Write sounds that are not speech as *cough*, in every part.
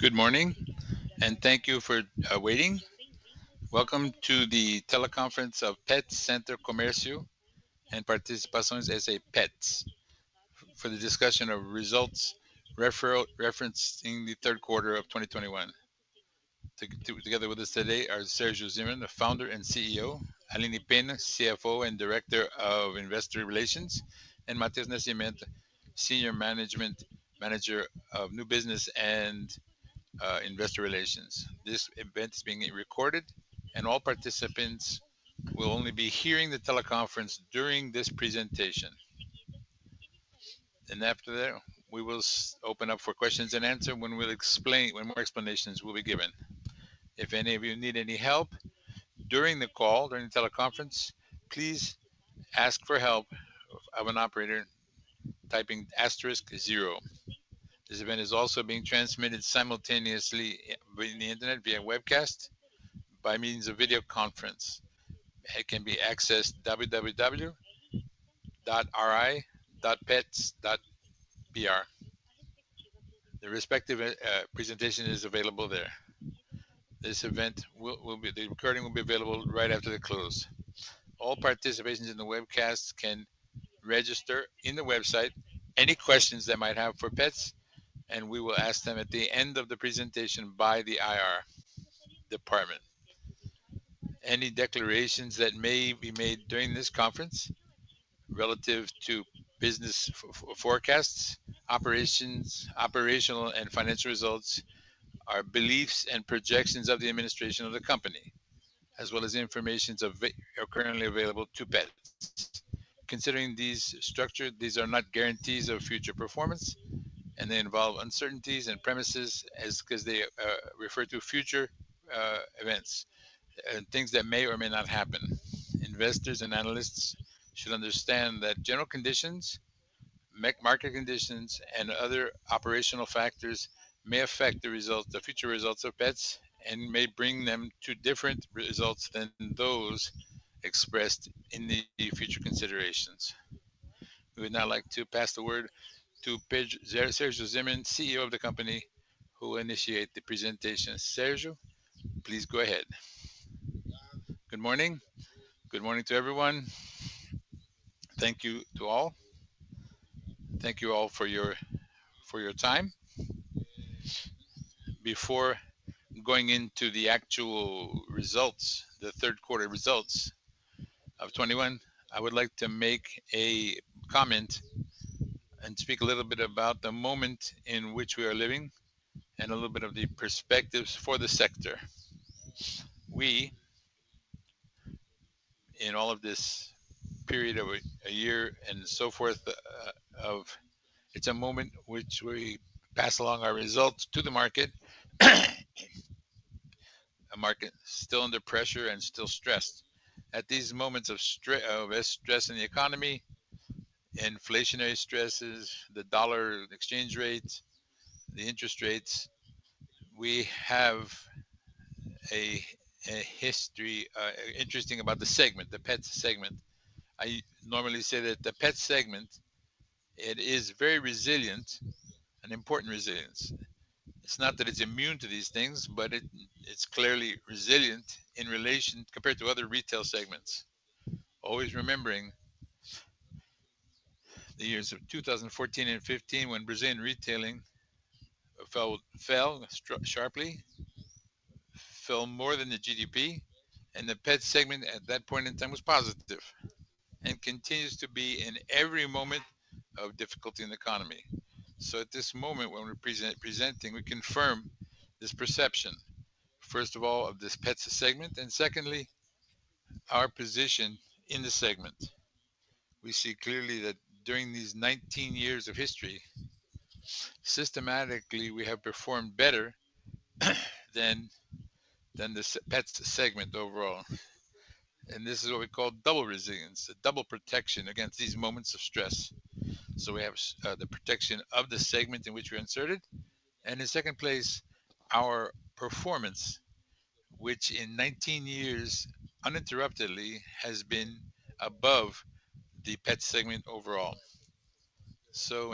Good morning, and thank you for waiting. Welcome to the teleconference of Petz Center Comércio e Participações S.A., Petz, for the discussion of results referencing the third quarter of 2021. Together with us today are Sérgio Zimerman, the Founder and CEO, Aline Penna, CFO and Director of Investor Relations, and Matheus Nascimento, Senior Manager of New Business and Investor Relations. This event is being recorded, and all participants will only be hearing the teleconference during this presentation. After that, we will open up for questions and answers when more explanations will be given. If any of you need any help during the call, during the teleconference, please ask for help of an operator typing asterisk zero. This event is also being transmitted simultaneously via the internet via webcast by means of video conference. It can be accessed www.ri.petz.br. The respective presentation is available there. The recording will be available right after the close. All participants in the webcast can register on the website any questions they might have for Petz, and we will ask them at the end of the presentation by the IR department. Any declarations that may be made during this conference relative to business forecasts, operations, operational and financial results are beliefs and projections of the administration of the company, as well as the information are currently available to Petz. Considering this structure, these are not guarantees of future performance, and they involve uncertainties and assumptions 'cause they refer to future events and things that may or may not happen. Investors and analysts should understand that general conditions, market conditions, and other operational factors may affect the future results of Petz and may bring them to different results than those expressed in the future considerations. We would now like to pass the word to Sérgio Zimerman, CEO of the company, who will initiate the presentation. Sérgio, please go ahead. Good morning. Good morning to everyone. Thank you all for your time. Before going into the actual results, the third quarter results of 2021, I would like to make a comment and speak a little bit about the moment in which we are living and a little bit of the perspectives for the sector. We, in all of this period of a year and so forth, It's a moment which we pass along our results to the market, a market still under pressure and still stressed. At these moments of stress in the economy, inflationary stresses, the dollar exchange rates, the interest rates, we have a history interesting about the segment, the Petz segment. I normally say that the Petz segment, it is very resilient, an important resilience. It's not that it's immune to these things, but it's clearly resilient in relation compared to other retail segments. Always remembering the years of 2014 and 2015 when Brazilian retailing fell sharply, fell more than the GDP, and the Petz segment at that point in time was positive and continues to be in every moment of difficulty in the economy. At this moment, when we're presenting, we confirm this perception, first of all, of this pet segment, and secondly, our position in the segment. We see clearly that during these 19 years of history, systematically, we have performed better than the pet segment overall. This is what we call double resilience, a double protection against these moments of stress. We have the protection of the segment in which we're inserted, and in second place, our performance, which in 19 years uninterruptedly has been above the pet segment overall.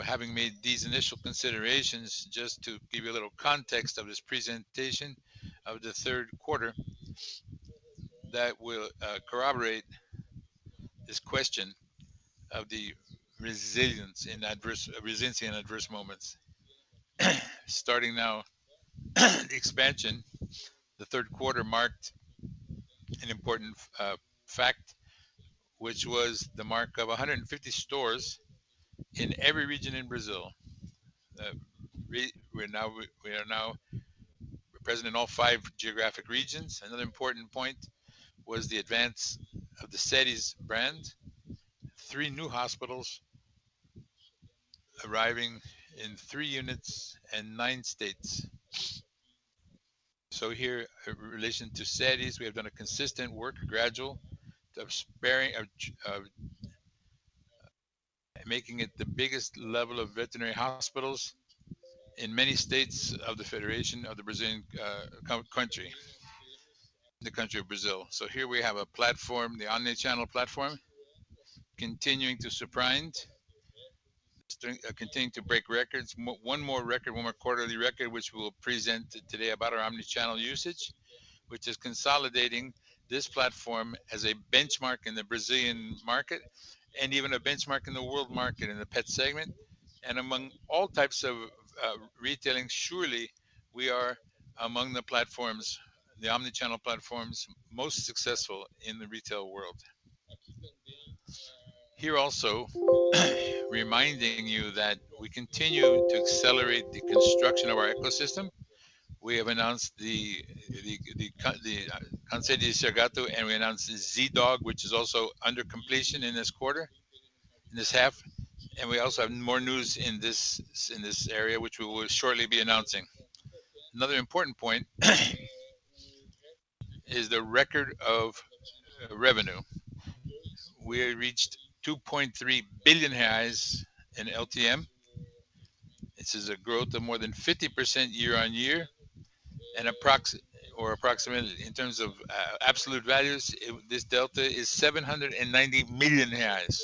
Having made these initial considerations just to give you a little context of this presentation of the third quarter that will corroborate this question of the resilience in adverse moments. Starting now, expansion. The third quarter marked an important fact, which was the mark of 150 stores in every region in Brazil. We are now represented in all five geographic regions. Another important point was the advance of the Seres brand. Three new hospitals arriving in three units and nine states. Here in relation to Seres, we have done a consistent work, gradual, of spreading, of making it the biggest level of veterinary hospitals in many states of the federation of the Brazilian country. Here we have a platform, the omnichannel platform, continuing to surprise, continue to break records. One more record, one more quarterly record which we'll present today about our omnichannel usage, which is consolidating this platform as a benchmark in the Brazilian market and even a benchmark in the world market in the pet segment. Among all types of retailing, surely we are among the platforms, the omnichannel platforms most successful in the retail world. Here also reminding you that we continue to accelerate the construction of our ecosystem. We have announced the Cansei de Ser Gato, and we announced Zee.Dog, which is also under completion in this half. We also have more news in this area, which we will shortly be announcing. Another important point is the record of revenue. We reached 2.3 billion in LTM. This is a growth of more than 50% year-on-year, and approximately in terms of absolute values, this delta is 790 million reais.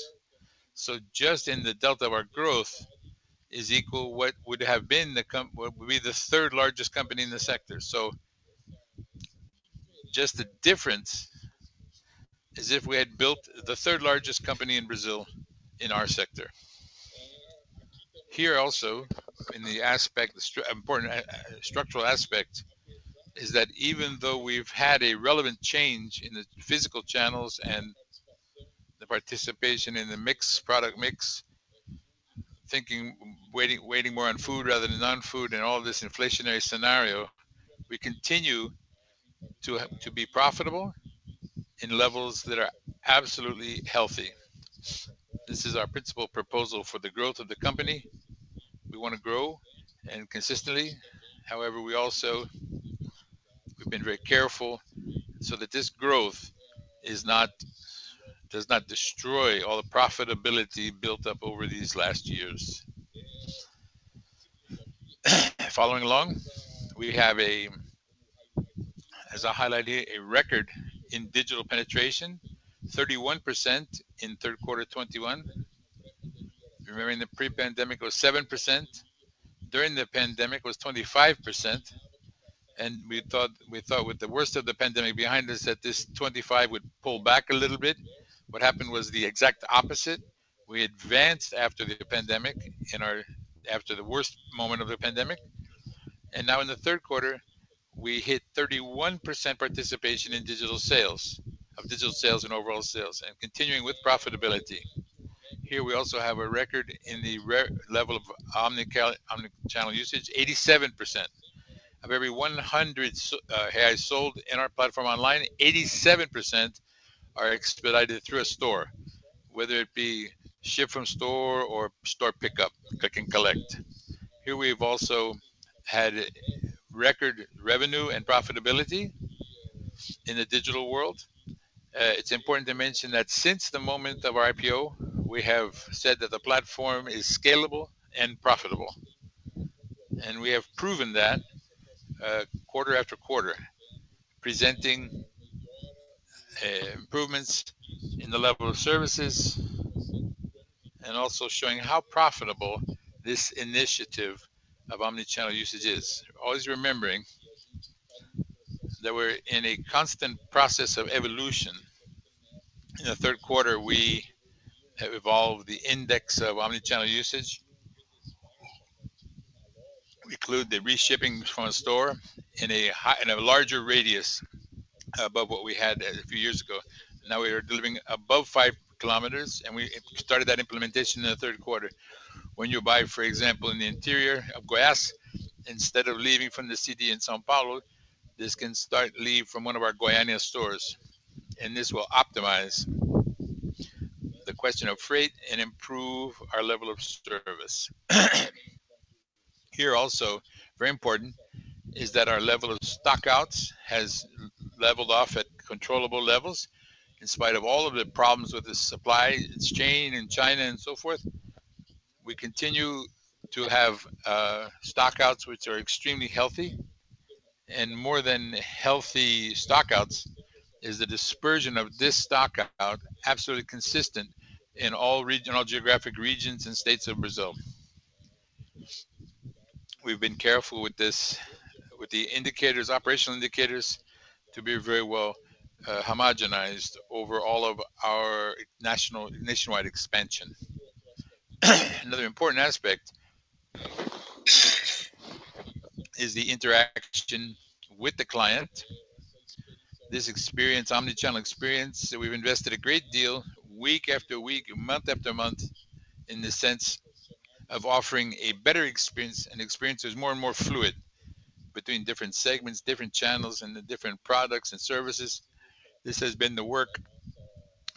Just in the delta of our growth is equal to what would be the third-largest company in the sector. Just the difference is if we had built the third-largest company in Brazil in our sector. Here also in the aspect, the important structural aspect is that even though we've had a relevant change in the physical channels and the participation in the product mix, thinking, weighing more on food rather than non-food and all this inflationary scenario, we continue to be profitable in levels that are absolutely healthy. This is our principal proposal for the growth of the company. We want to grow and consistently. However, we've been very careful so that this growth does not destroy all the profitability built up over these last years. Following along, we have, as I highlighted, a record in digital penetration, 31% in third quarter 2021. Remembering the pre-pandemic was 7%, during the pandemic was 25%, and we thought with the worst of the pandemic behind us that this 25 would pull back a little bit. What happened was the exact opposite. We advanced after the worst moment of the pandemic. Now in the third quarter, we hit 31% participation of digital sales and overall sales, and continuing with profitability. Here we also have a record in the level of omnichannel usage, 87%. Of every 100 sold in our platform online, 87% are expedited through a store, whether it be ship from store or store pickup, click and collect. Here we've also had record revenue and profitability in the digital world. It's important to mention that since the moment of our IPO, we have said that the platform is scalable and profitable, and we have proven that, quarter after quarter, presenting improvements in the level of services and also showing how profitable this initiative of omni-channel usage is. Always remembering that we're in a constant process of evolution. In the third quarter, we have evolved the index of omni-channel usage. We include the shipping from store in a larger radius above what we had a few years ago. Now we are delivering above 5 km, and we started that implementation in the third quarter. When you buy, for example, in the interior of Goiás, instead of leaving from the city in São Paulo, this can start leaving from one of our Goiânia stores, and this will optimize the question of freight and improve our level of service. Here also, very important is that our level of stockouts has leveled off at controllable levels. In spite of all of the problems with the supply chain in China and so forth, we continue to have stockouts which are extremely healthy. More than healthy stockouts is the dispersion of this stockout absolutely consistent in all regional geographic regions and states of Brazil. We've been careful with the indicators, operational indicators to be very well homogenized over all of our nationwide expansion. Another important aspect is the interaction with the client. This experience, omnichannel experience, we've invested a great deal week after week, month after month in the sense of offering a better experience, and experience is more and more fluid between different segments, different channels, and the different products and services. This has been the work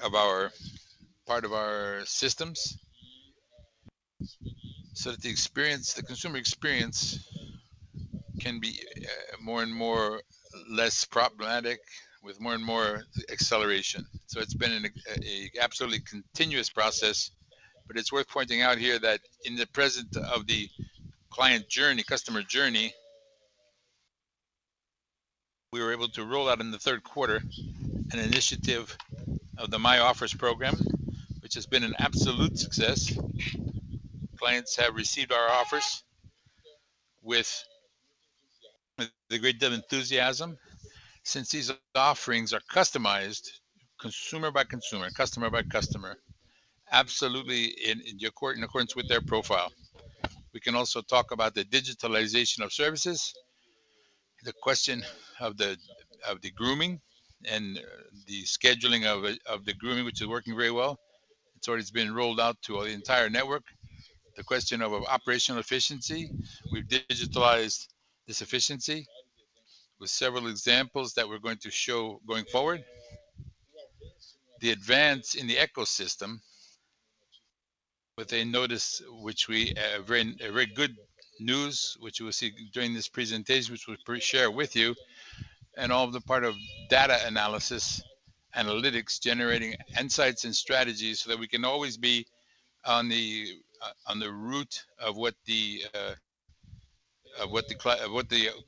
of our part of our systems so that the consumer experience can be more and more less problematic with more and more acceleration. It's been an absolutely continuous process, but it's worth pointing out here that in the client journey, customer journey, we were able to roll out in the third quarter an initiative of the My Offers program, which has been an absolute success. Clients have received our offers with a great deal of enthusiasm since these offerings are customized consumer by consumer, customer by customer, absolutely in accordance with their profile. We can also talk about the digitalization of services, the question of the grooming and the scheduling of the grooming, which is working very well. It's already been rolled out to our entire network. The question of operational efficiency. We've digitalized this efficiency with several examples that we're going to show going forward. The advance in the ecosystem. With a notice, a very good news which you will see during this presentation, which we'll pre-share with you, and all of the part of data analysis, analytics, generating insights and strategies so that we can always be on the route of what the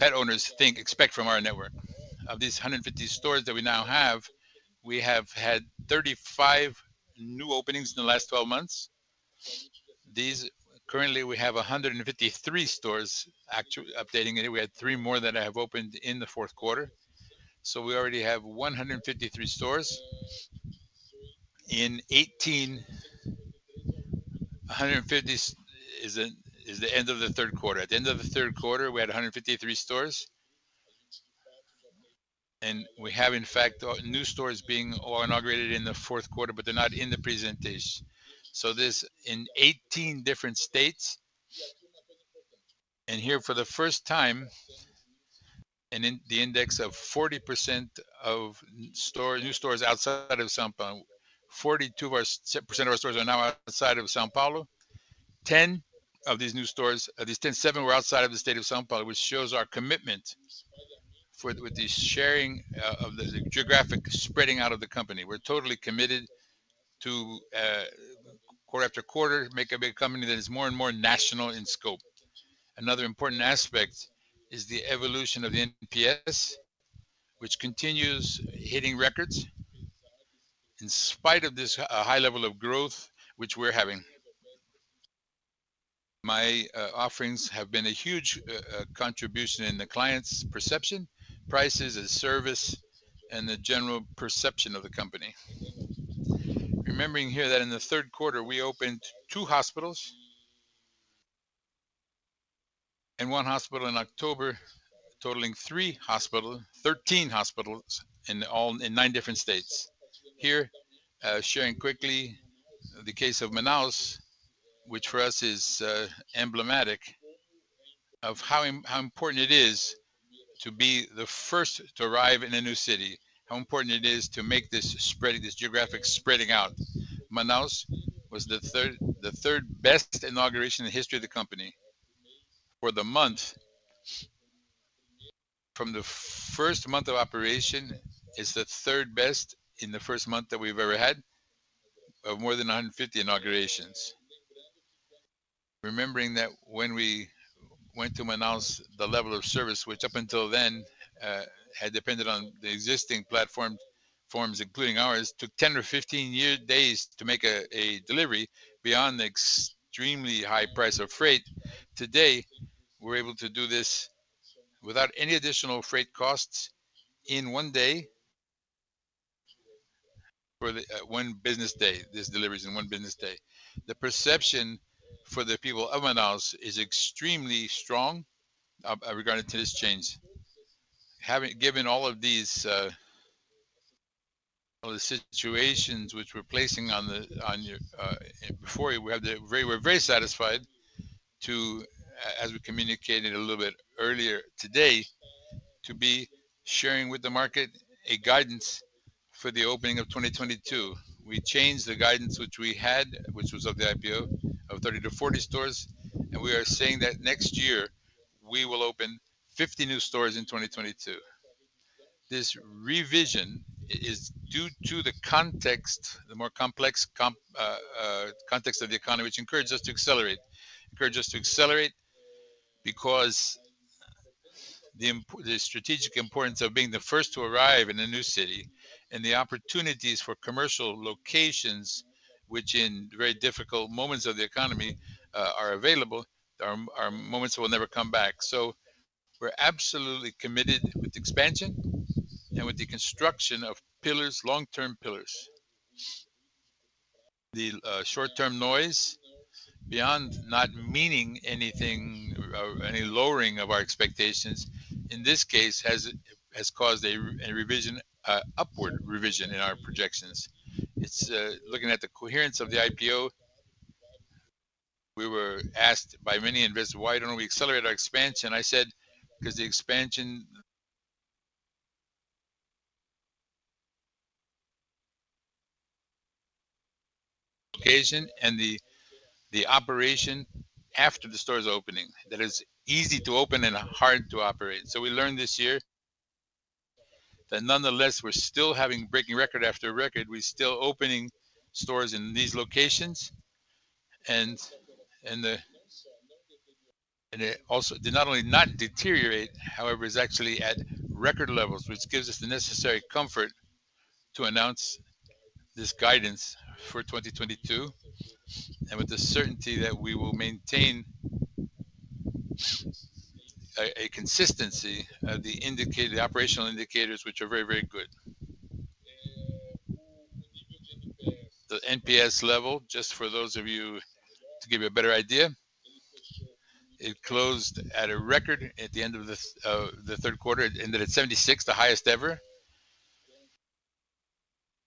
pet owners expect from our network. Of these 150 stores that we now have, we have had 35 new openings in the last 12 months. Currently, we have 153 stores. Actually updating it, we had three more that have opened in the fourth quarter. We already have 153 stores. 150 is the end of the third quarter. At the end of the third quarter, we had 153 stores. We have, in fact, new stores being inaugurated in the fourth quarter, but they're not in the presentation. There are stores in 18 different states. Here for the first time, 40% of stores, new stores outside of São Paulo. 42% of our stores are now outside of São Paulo. 10 of these new stores, of these 10, seven were outside of the state of São Paulo, which shows our commitment to the geographic spreading out of the company. We're totally committed to quarter after quarter make a big company that is more and more national in scope. Another important aspect is the evolution of the NPS, which continues hitting records in spite of this high level of growth which we're having. My offerings have been a huge contribution in the clients' perception, prices and service, and the general perception of the company. Remembering here that in the third quarter, we opened two hospitals and one hospital in October, totaling 13 hospitals in all in nine different states. Here, sharing quickly the case of Manaus, which for us is emblematic of how important it is to be the first to arrive in a new city, how important it is to make this spreading, this geographic spreading out. Manaus was the third best inauguration in the history of the company for the month. From the first month of operation, it's the third best in the first month that we've ever had of more than 150 inaugurations. Remembering that when we went to Manaus, the level of service, which up until then had depended on the existing platform forms, including ours, took 10 or 15 days to make a delivery beyond the extremely high price of freight. Today, we're able to do this without any additional freight costs in one day. One business day. This delivers in one business day. The perception for the people of Manaus is extremely strong regarding to this change. Having given all of these situations which we're placing before you, we're very satisfied to, as we communicated a little bit earlier today, to be sharing with the market a guidance for the opening of 2022. We changed the guidance which we had, which was of the IPO of 30-40 stores, and we are saying that next year we will open 50 new stores in 2022. This revision is due to the context, the more complex context of the economy, which encouraged us to accelerate. Encouraged us to accelerate because the strategic importance of being the first to arrive in a new city and the opportunities for commercial locations, which in very difficult moments of the economy are available, are moments that will never come back. We're absolutely committed with expansion and with the construction of pillars, long-term pillars. The short-term noise, beyond not meaning anything or any lowering of our expectations, in this case, has caused a revision, upward revision in our projections. It's looking at the coherence of the IPO. We were asked by many investors, "Why don't we accelerate our expansion?" I said, "Because the expansion location and the operation after the store's opening, that it's easy to open and hard to operate." We learned this year that nonetheless, we're still breaking record after record. We're still opening stores in these locations and it also not only did not deteriorate, however, is actually at record levels, which gives us the necessary comfort to announce this guidance for 2022 and with the certainty that we will maintain a consistency of the operational indicators, which are very, very good. The NPS level, just for those of you to give you a better idea, it closed at a record at the end of the third quarter. It ended at 76, the highest ever.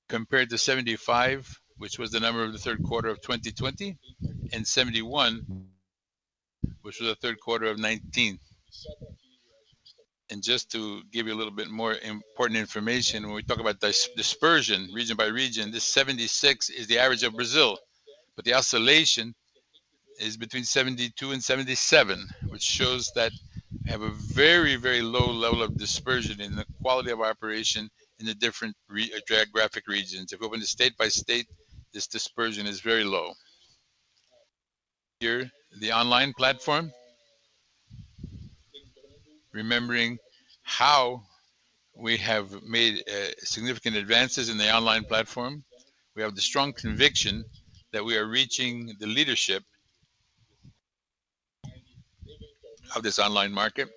Compared to 75, which was the number of the third quarter of 2020 and 71, which was the third quarter of 2019. Just to give you a little bit more important information, when we talk about dispersion region by region, this 76 is the average of Brazil, but the oscillation is between 72 and 77, which shows that we have a very, very low level of dispersion in the quality of operation in the different geographic regions. If we open state by state, this dispersion is very low. Here, the online platform. Remembering how we have made significant advances in the online platform, we have the strong conviction that we are reaching the leadership of this online market.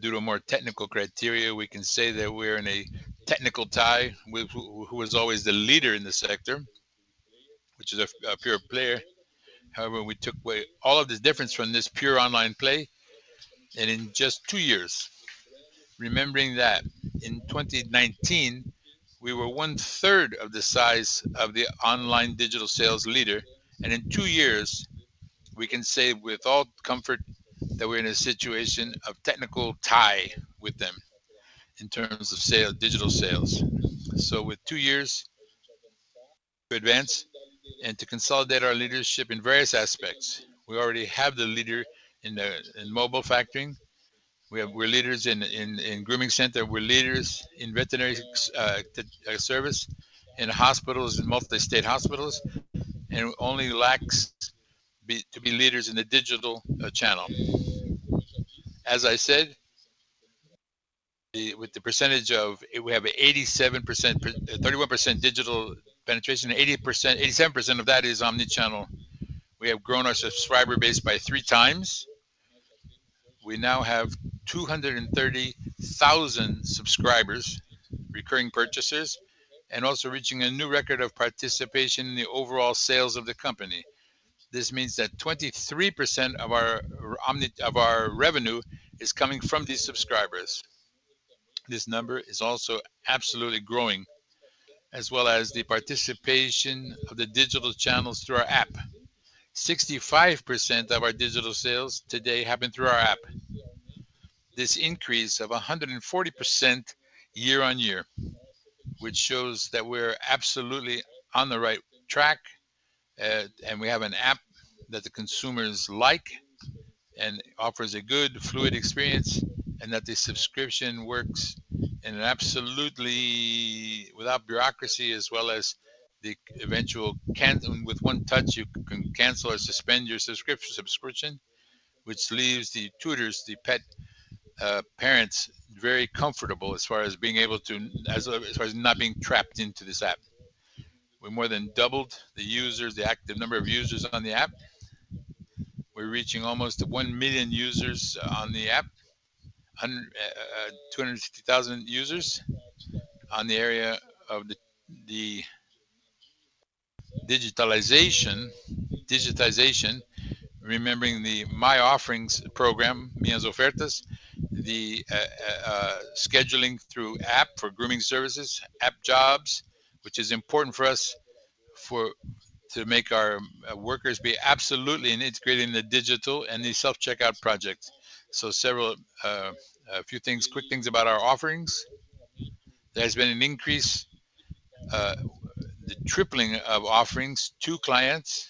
Due to more technical criteria, we can say that we're in a technical tie with who was always the leader in the sector, which is a pure player. However, we took away all of this difference from this pure online play and in just two years. Remembering that in 2019, we were one-third of the size of the online digital sales leader, and in two years, we can say with all comfort that we're in a situation of technical tie with them in terms of digital sales. With two years to advance and to consolidate our leadership in various aspects, we already have the leader in mobile factoring. We're leaders in grooming center. We're leaders in veterinary service, in hospitals, multi-state hospitals, and only lacks to be leaders in the digital channel. We have 31% digital penetration, 87% of that is omnichannel. We have grown our subscriber base by 3 times. We now have 230,000 subscribers, recurring purchases, and also reaching a new record of participation in the overall sales of the company. This means that 23% of our revenue is coming from these subscribers. This number is also absolutely growing as well as the participation of the digital channels through our app. 65% of our digital sales today happen through our app. This increase of 140% year-on-year, which shows that we're absolutely on the right track, and we have an app that the consumers like and offers a good fluid experience, and that the subscription works in an absolutely without bureaucracy as well as the eventual with one touch, you can cancel or suspend your subscription, which leaves the tutors, the pet parents very comfortable as far as being able to, as far as not being trapped into this app. We more than doubled the users, the active number of users on the app. We're reaching almost 1 million users on the app, 260,000 users. On the area of the digitization, remembering the My Offerings program, Minhas Ofertas, the scheduling through app for grooming services, Appjobs, which is important for us to make our workers be absolutely integrating the digital and the self-checkout project. Several quick things about our offerings. There's been an increase, the tripling of offerings to clients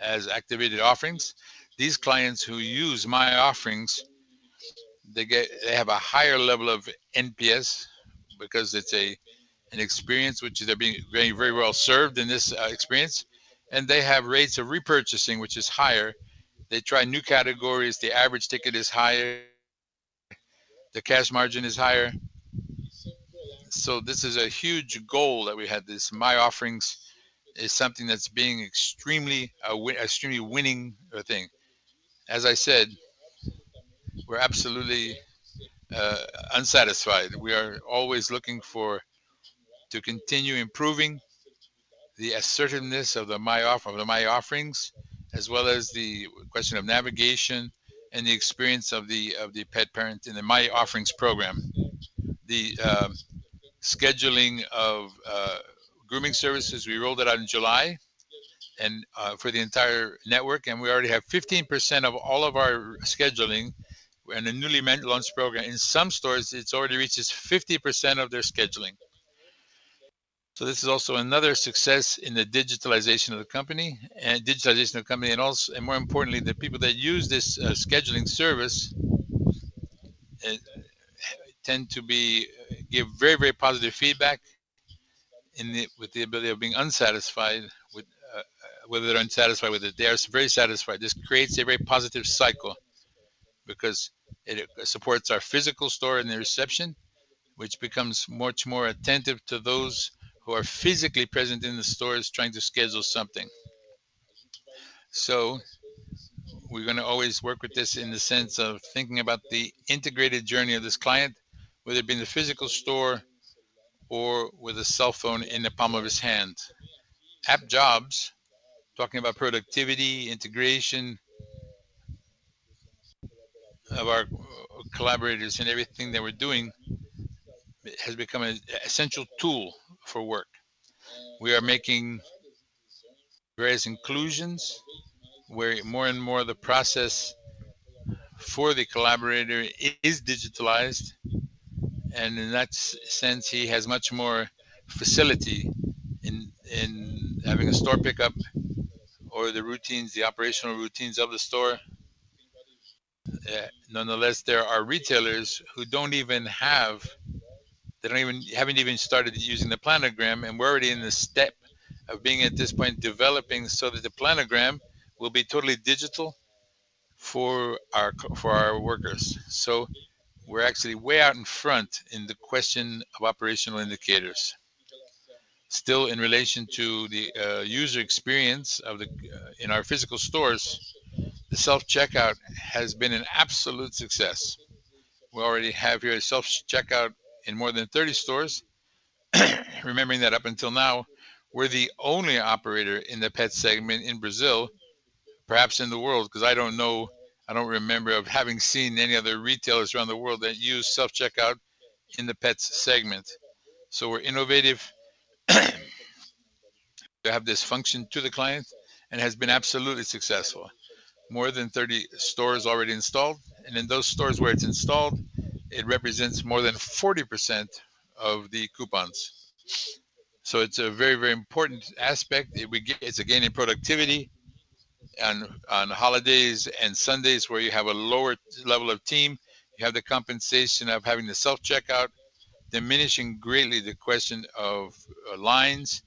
as activated offerings. These clients who use My Offerings, they have a higher level of NPS because it's an experience which they're being very well served in this experience, and they have rates of repurchasing, which is higher. They try new categories. The average ticket is higher. The cash margin is higher. This is a huge goal that we had. This My Offerings is something that's being extremely winning thing. As I said, we're absolutely unsatisfied. We are always looking to continue improving the assertiveness of the My Offerings as well as the question of navigation and the experience of the pet parent in the My Offerings program. The scheduling of grooming services, we rolled it out in July and for the entire network, and we already have 15% of all of our scheduling in a newly launched program. In some stores, it already reaches 50% of their scheduling. This is also another success in the digitalization of the company and more importantly, the people that use this scheduling service tend to give very, very positive feedback with the ability of being satisfied with whether they're satisfied with it. They are very satisfied. This creates a very positive cycle because it supports our physical store and the reception, which becomes much more attentive to those who are physically present in the stores, trying to schedule something. We're gonna always work with this in the sense of thinking about the integrated journey of this client, whether it be in the physical store or with a cell phone in the palm of his hand. Appjobs, talking about productivity, integration of our collaborators and everything that we're doing has become an essential tool for work. We are making various inclusions where more and more of the process for the collaborator is digitalized, and in that sense, he has much more facility in having a store pickup or the routines, the operational routines of the store. Nonetheless, there are retailers who haven't even started using the planogram, and we're already in the step of being at this point developing so that the planogram will be totally digital for our workers. We're actually way out in front in the question of operational indicators. Still in relation to the user experience in our physical stores, the self-checkout has been an absolute success. We already have here a self-checkout in more than 30 stores. Remembering that up until now, we're the only operator in the pet segment in Brazil, perhaps in the world, 'cause I don't know, I don't remember of having seen any other retailers around the world that use self-checkout in the pets segment. We're innovative to have this function to the client, and it has been absolutely successful. More than 30 stores already installed, and in those stores where it's installed, it represents more than 40% of the coupons. It's a very, very important aspect. It's a gain in productivity. On holidays and Sundays where you have a lower level of team, you have the compensation of having the self-checkout diminishing greatly the question of lines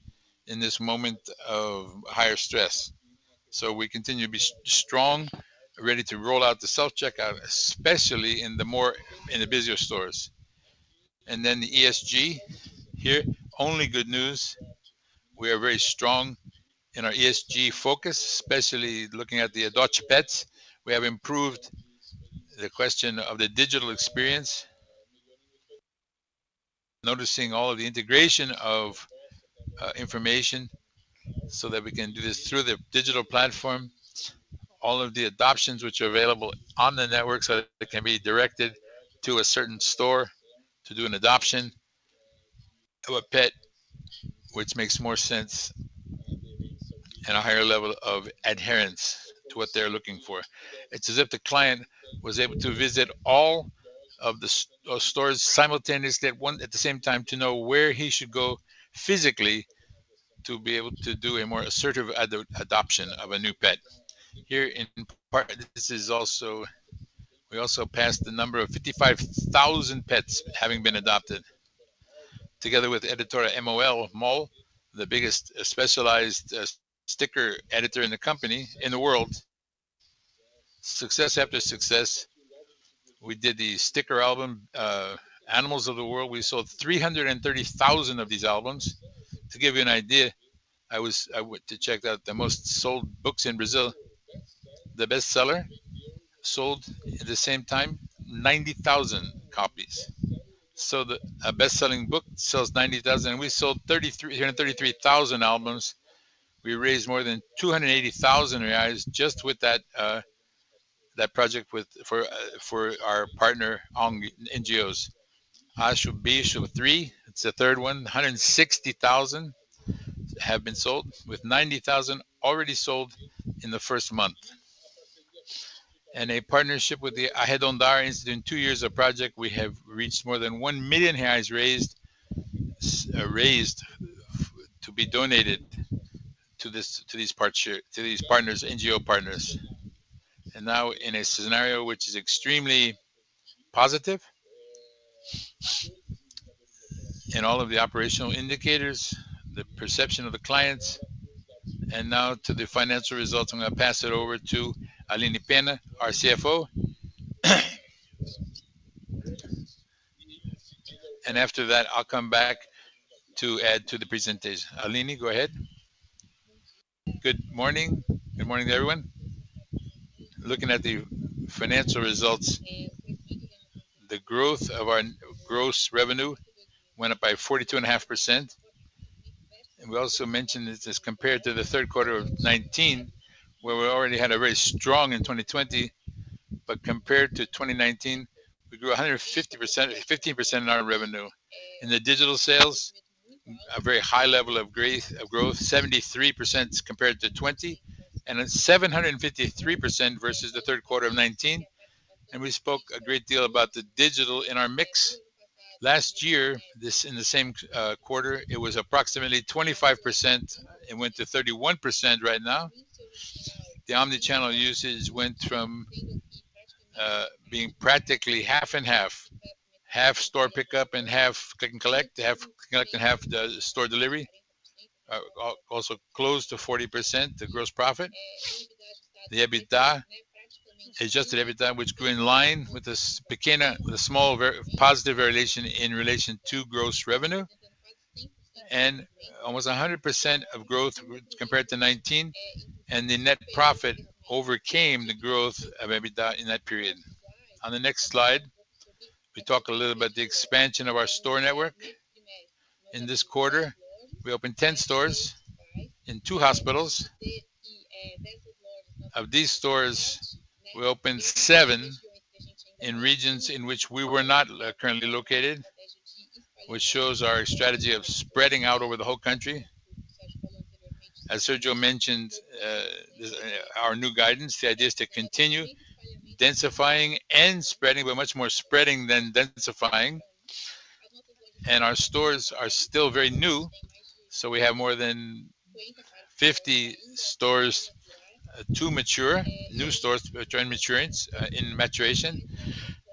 in this moment of higher stress. We continue to be strong, ready to roll out the self-checkout, especially in the more, in the busier stores. The ESG here, only good news. We are very strong in our ESG focus, especially looking at the Adote Petz. We have improved the question of the digital experience, noticing all of the integration of information, so that we can do this through the digital platforms. All of the adoptions which are available on the network, so that they can be directed to a certain store to do an adoption to a pet, which makes more sense and a higher level of adherence to what they're looking for. It's as if the client was able to visit all of the stores simultaneously at the same time to know where he should go physically to be able to do a more assertive adoption of a new pet. Here in part, this is also. We also passed the number of 55,000 pets having been adopted. Together with Editora MOL, the biggest specialized sticker editor in the world. Success after success. We did the sticker album, Animals of the World. We sold 330,000 of these albums. To give you an idea, I went to check out the most sold books in Brazil. The bestseller sold at the same time 90,000 copies. A best-selling book sells 90,000, and we sold 333,000 albums. We raised more than 280,000 reais just with that project with our partner NGOs. Ache o Bicho 3, it's the third one. 160,000 have been sold, with 90,000 already sold in the first month. In a partnership with the Arredondar, in two years of project, we have reached more than 1 million reais raised to be donated to these partners, NGO partners. Now in a scenario which is extremely positive in all of the operational indicators, the perception of the clients. Now to the financial results, I'm gonna pass it over to Aline Penna, our CFO. After that, I'll come back to add to the presentation. Aline, go ahead. Good morning. Good morning to everyone. Looking at the financial results, the growth of our gross revenue went up by 42.5%. We also mentioned this as compared to the third quarter of 2019, where we already had a very strong in 2020. Compared to 2019, we grew 150%, 15% in our revenue. In the digital sales, a very high level of growth, 73% compared to 2020, and 753% versus the third quarter of 2019. We spoke a great deal about the digital in our mix. Last year, in the same quarter, it was approximately 25%. It went to 31% right now. The omnichannel usage went from being practically half and half store pickup and half click and collect, half click and collect and half the store delivery, also close to 40% the gross profit. The EBITDA, adjusted EBITDA, which go in line with the pequena positive variation in relation to gross revenue and almost 100% of growth compared to 2019, and the net profit overcame the growth of EBITDA in that period. On the next slide, we talk a little about the expansion of our store network. In this quarter, we opened 10 stores in two hospitals. Of these stores, we opened seven in regions in which we were not currently located, which shows our strategy of spreading out over the whole country. As Sérgio mentioned, our new guidance, the idea is to continue densifying and spreading, but much more spreading than densifying. Our stores are still very new, so we have more than 50 stores to mature, new stores to join maturants, in maturation.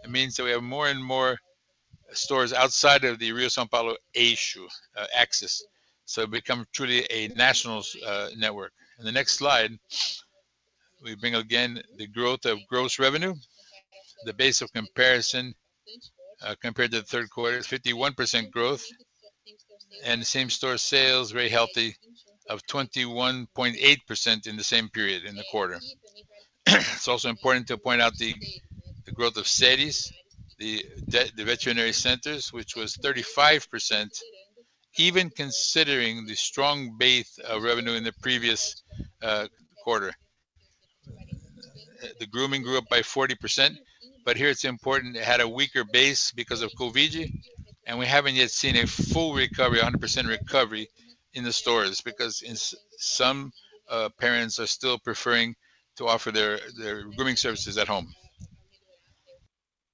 It means that we have more and more stores outside of the Rio-São Paulo eixo, axis, so it become truly a national network. In the next slide, we bring again the growth of gross revenue. The base of comparison compared to the third quarter is 51% growth, and the same-store sales very healthy of 21.8% in the same period in the quarter. It's also important to point out the growth of Seres, the veterinary centers, which was 35%, even considering the strong base of revenue in the previous quarter. The grooming grew up by 40%, but here it's important it had a weaker base because of COVID, and we haven't yet seen a full recovery, 100% recovery in the stores, because in some parents are still preferring to offer their grooming services at home.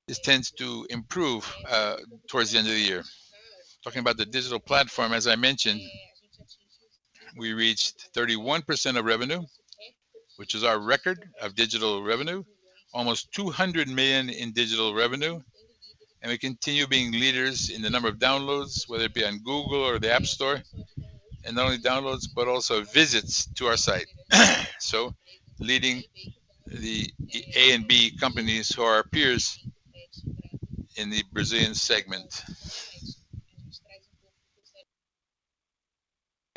This tends to improve towards the end of the year. Talking about the digital platform, as I mentioned, we reached 31% of revenue, which is our record of digital revenue, almost 200 million in digital revenue. We continue being leaders in the number of downloads, whether it be on Google or the App Store. Not only downloads, but also visits to our site. Leading the A and B companies who are our peers in the Brazilian segment.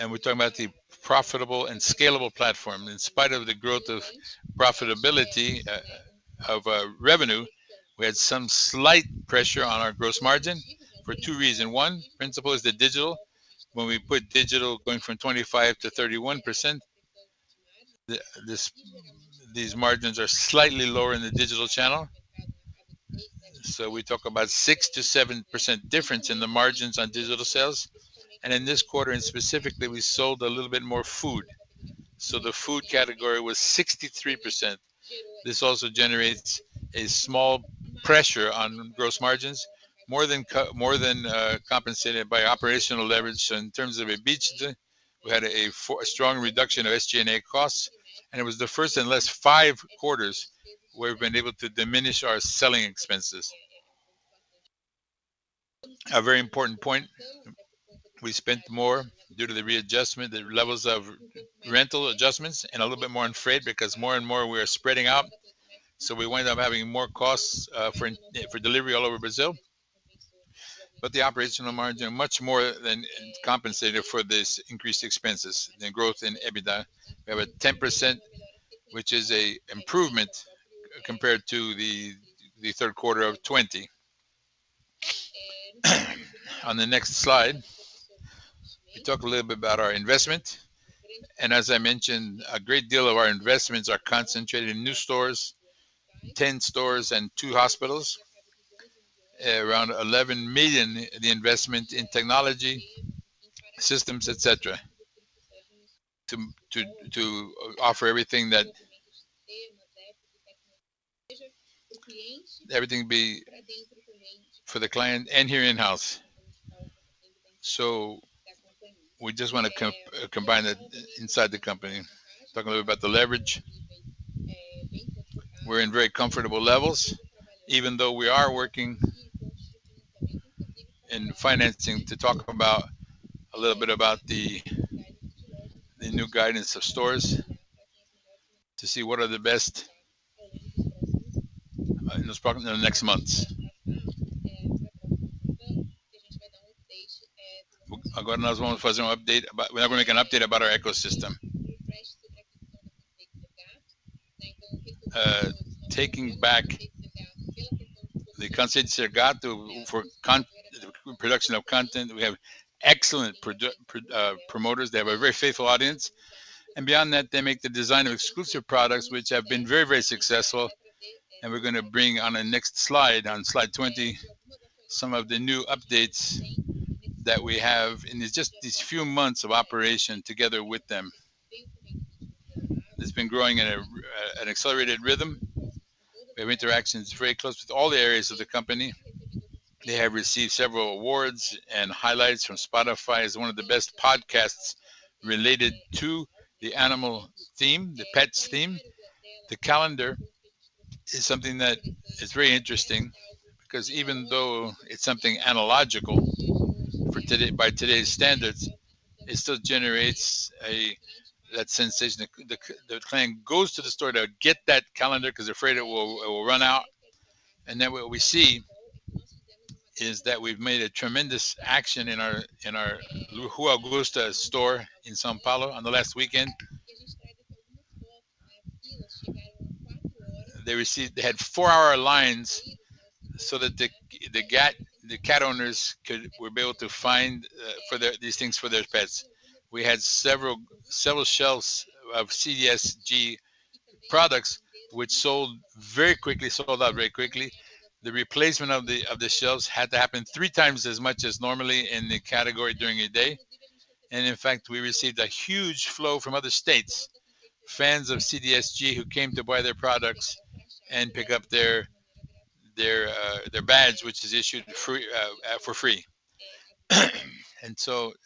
We're talking about the profitable and scalable platform. In spite of the growth of profitability of revenue, we had some slight pressure on our gross margin for two reasons. One principal reason is the digital. When we put digital going from 25%-31%, these margins are slightly lower in the digital channel. We talk about 6%-7% difference in the margins on digital sales. In this quarter, and specifically, we sold a little bit more food. The food category was 63%. This also generates a small pressure on gross margins, more than compensated by operational leverage in terms of EBITDA. We had a strong reduction of SG&A costs, and it was the first in the last five quarters we've been able to diminish our selling expenses. A very important point, we spent more due to the readjustment, the levels of rental adjustments and a little bit more on freight because more and more we are spreading out. We wind up having more costs for delivery all over Brazil. The operational margin much more than compensated for this increased expenses. The growth in EBITDA, we have a 10%, which is an improvement compared to the third quarter of 2020. On the next slide, we talk a little bit about our investment. As I mentioned, a great deal of our investments are concentrated in new stores, 10 stores and two hospitals. Around 11 million, the investment in technology systems, et cetera, to offer everything for the client and here in-house. We just want to combine that inside the company. Talk a little about the leverage. We're in very comfortable levels, even though we are working in financing to talk about the new guidance of stores to see what are the best in those probably the next months. I've got another one for some update, but we're going to make an update about our ecosystem. Taking back the Cansei de Ser Gato for production of content. We have excellent promoters. They have a very faithful audience. Beyond that, they make the design of exclusive products which have been very, very successful. We're gonna bring on a next slide, on slide 20, some of the new updates that we have in just these few months of operation together with them. It's been growing at an accelerated rhythm. We have interactions very close with all the areas of the company. They have received several awards and highlights from Spotify as one of the best podcasts related to the animal theme, the pets theme. The calendar is something that is very interesting because even though it's something analogical for today by today's standards, it still generates that sensation. The client goes to the store to get that calendar because they're afraid it will run out. What we see is that we've made a tremendous action in our Rua Augusta store in São Paulo on the last weekend. They had four-hour lines so that the cat owners would be able to find these things for their pets. We had several shelves of CDSG products which sold very quickly, sold out very quickly. The replacement of the shelves had to happen 3 times as much as normally in the category during a day. In fact, we received a huge flow from other states, fans of CDSG who came to buy their products and pick up their badge, which is issued for free.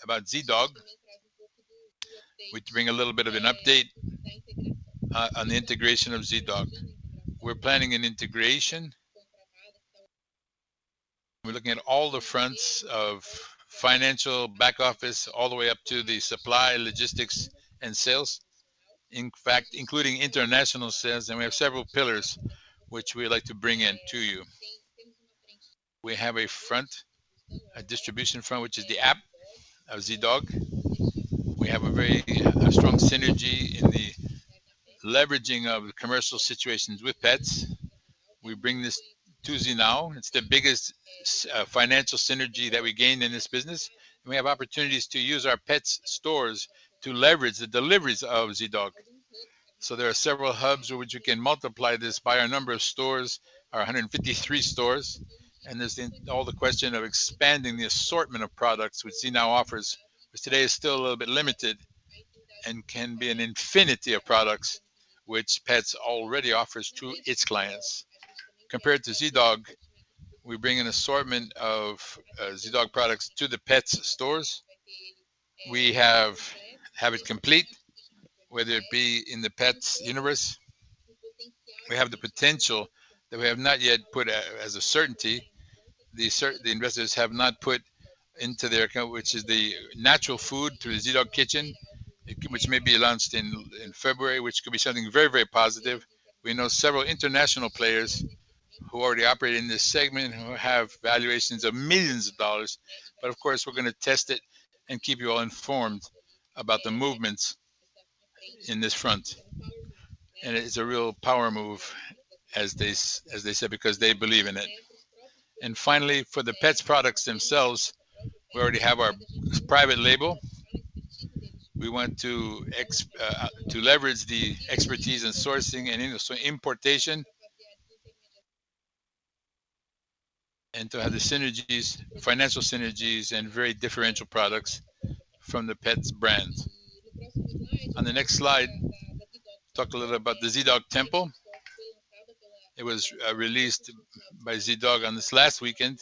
About Zee.Dog, we bring a little bit of an update on the integration of Zee.Dog. We're planning an integration. We're looking at all the fronts of financial back office all the way up to the supply, logistics, and sales. In fact, including international sales, and we have several pillars which we would like to bring in to you. We have a front, a distribution front, which is the app of Zee.Dog. We have a very, a strong synergy in the leveraging of commercial situations with pets. We bring this to Zee.Now. It's the biggest financial synergy that we gained in this business, and we have opportunities to use our Petz stores to leverage the deliveries of Zee.Dog. There are several hubs in which we can multiply this by our number of stores, our 153 stores. There's then all the question of expanding the assortment of products which Zee.Now offers, which today is still a little bit limited and can be an infinity of products which Petz already offers to its clients. Compared to Zee.Dog, we bring an assortment of Zee.Dog products to the Petz stores. We have it complete, whether it be in the Petz universe. We have the potential that we have not yet put as a certainty, the investors have not put into their account, which is the natural food through the Zee.Dog Kitchen, which may be launched in February, which could be something very, very positive. We know several international players who already operate in this segment and who have valuations of millions of dollars. Of course, we're going to test it and keep you all informed about the movements in this front. It is a real power move, as they say, because they believe in it. Finally, for the pet products themselves, we already have our private label. We want to leverage the expertise in sourcing and importation and to have the synergies, financial synergies and very differential products from the Petz brand. On the next slide, talk a little about the Zee.Dog Temple. It was released by Zee.Dog on this last weekend.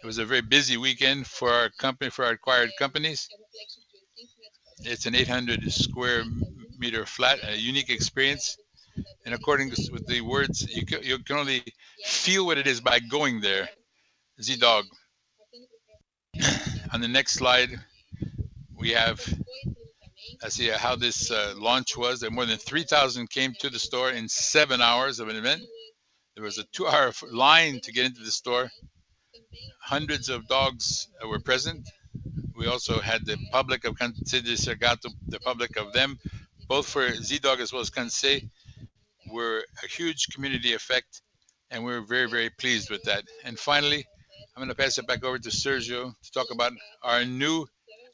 It was a very busy weekend for our company, for our acquired companies. It's an 800 sq m flat, a unique experience. With the words, you can only feel what it is by going there, Zee.Dog. On the next slide, we have see how this launch was. More than 3,000 came to the store in seven hours of an event. There was a two-hour line to get into the store. Hundreds of dogs were present. We also had the public of Cansei de Ser Gato, the public of them, both for Zee.Dog as well as Cansei de Ser Gato, were a huge community effect, and we're very, very pleased with that. Finally, I'm gonna pass it back over to Sérgio to talk about our new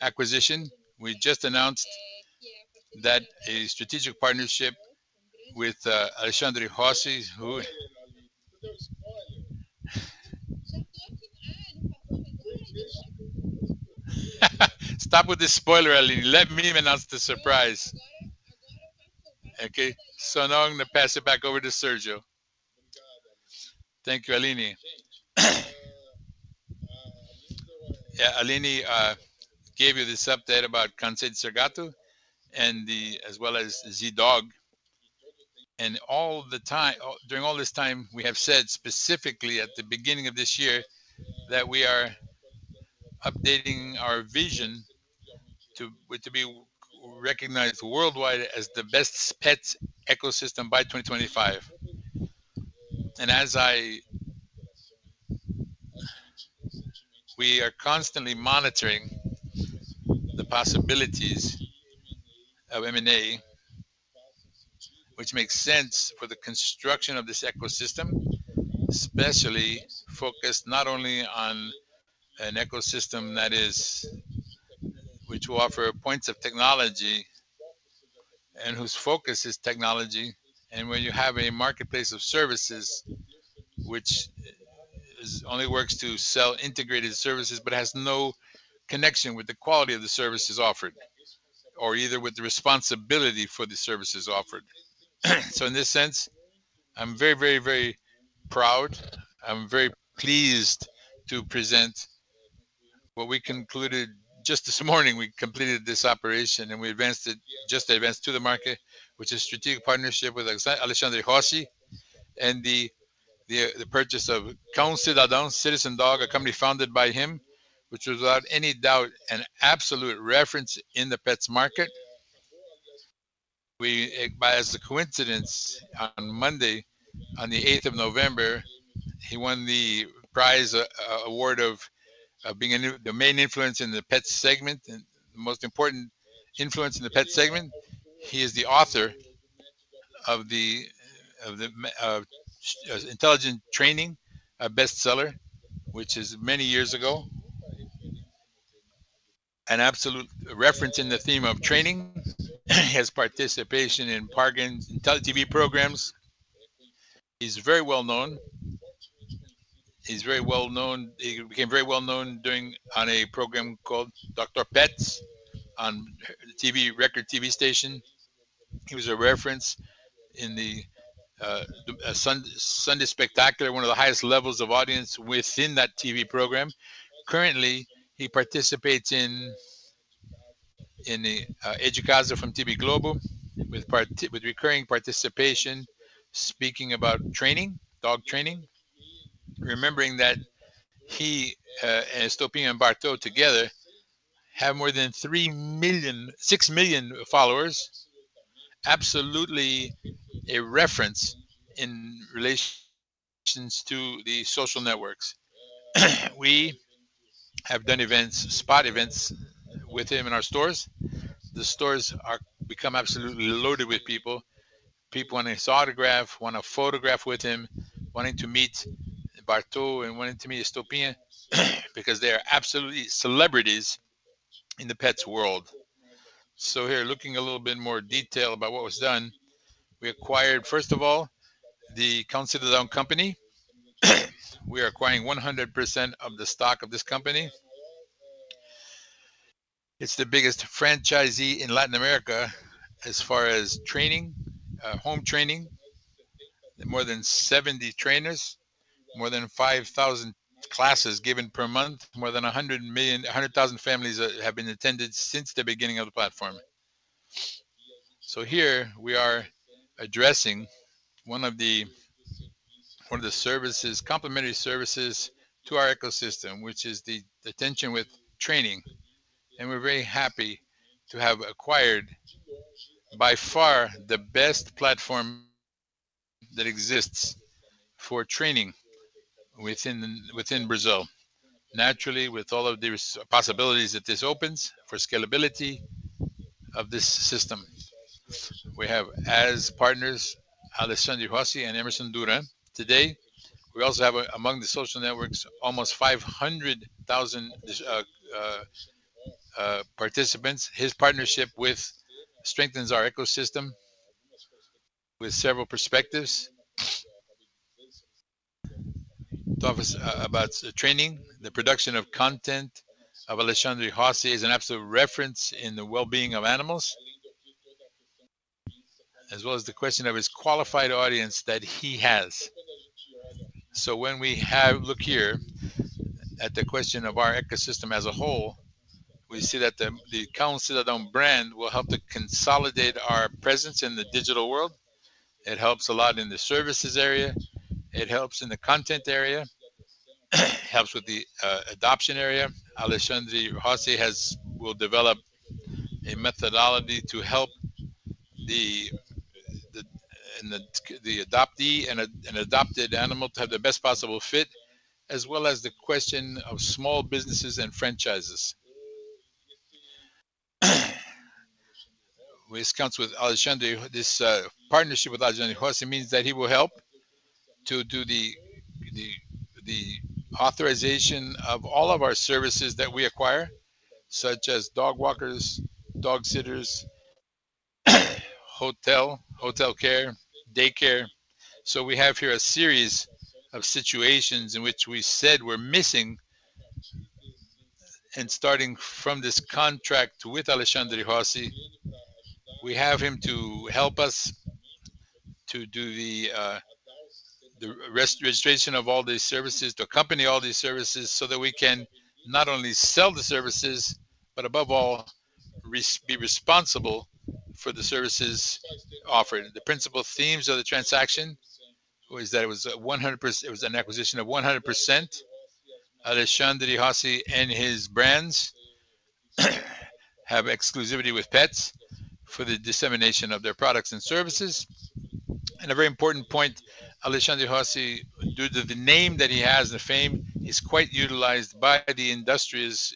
acquisition. We just announced that a strategic partnership with Alexandre Rossi. Stop with the spoiler, Aline. Let me announce the surprise. Okay. Now I'm gonna pass it back over to Sérgio. Thank you. Thank you, Aline. Yeah, Aline gave you this update about Cansei de Ser Gato as well as Zee.Dog. During all this time, we have said specifically at the beginning of this year that we are updating our vision to be recognized worldwide as the best pets ecosystem by 2025. We are constantly monitoring the possibilities of M&A, which makes sense for the construction of this ecosystem, especially focused not only on an ecosystem which will offer points of technology and whose focus is technology, and where you have a marketplace of services which only works to sell integrated services, but has no connection with the quality of the services offered or either with the responsibility for the services offered. In this sense, I'm very proud. I'm very pleased to present what we concluded just this morning. We completed this operation, and we announced it to the market, which is a strategic partnership with Alexandre Rossi and the purchase of Cão Cidadão, Citizen Dog, a company founded by him, which was without any doubt an absolute reference in the pets market. By the way, as a coincidence, on Monday, on the 8th of November, he won the prize, award of being the main influence in the pets segment and most important influence in the pet segment. He is the author of the Intelligent Training, a bestseller, which is many years ago. An absolute reference in the theme of training. His participation in *audio distortion* and TV programs is very well known. He's very well known. He became very well known on a program called Dr. Pet on RecordTV station. He was a reference in the Domingo Espetacular, one of the highest levels of audience within that TV program. Currently, he participates in the É de Casa from TV Globo with recurring participation, speaking about training, dog training. Remembering that he and Estopinha e Barthô together have more than 6 million followers. Absolutely a reference in relations to the social networks. We have done events, spot events with him in our stores. The stores are become absolutely loaded with people. People want his autograph, want a photograph with him, wanting to meet Barthô, and wanting to meet Estopinha because they are absolutely celebrities in the pets world. Here, looking a little bit more detail about what was done, we acquired, first of all, the Cão Cidadão company. We are acquiring 100% of the stock of this company. It's the biggest franchisee in Latin America as far as training, home training. More than 70 trainers, more than 5,000 classes given per month. More than 100,000 families have been attended since the beginning of the platform. We are addressing one of the services, complimentary services to our ecosystem, which is the attention with training. We're very happy to have acquired by far the best platform that exists for training within Brazil. Naturally, with all of these possibilities that this opens for scalability of this system. We have as partners Alexandre Rossi and Emerson Duran. Today, we also have, among the social networks, almost 500,000 participants. His partnership with us strengthens our ecosystem with several perspectives. Talk about pet training, the production of content of Alexandre Rossi is an absolute reference in the well-being of animals, as well as the question of his qualified audience that he has. When we look here at the question of our ecosystem as a whole, we see that the Cão Cidadão brand will help to consolidate our presence in the digital world. It helps a lot in the services area. It helps in the content area. It helps with the adoption area. Alexandre Rossi will develop a methodology to help the adopter and the adoptee and an adopted animal to have the best possible fit, as well as the question of small businesses and franchises. Which comes with Alexandre. This partnership with Alexandre Rossi means that he will help to do the authorization of all of our services that we acquire, such as dog walkers, dog sitters, hotel care, daycare. We have here a series of situations in which we said we're missing, and starting from this contract with Alexandre Rossi, we have him to help us to do the re-registration of all these services, to accompany all these services so that we can not only sell the services, but above all, be responsible for the services offered. The principal themes of the transaction was that it was a one hundred perc-- it was an acquisition of 100%. Alexandre Rossi and his brands have exclusivity with Petz for the dissemination of their products and services. A very important point, Alexandre Rossi, due to the name that he has and fame, is quite utilized by the industries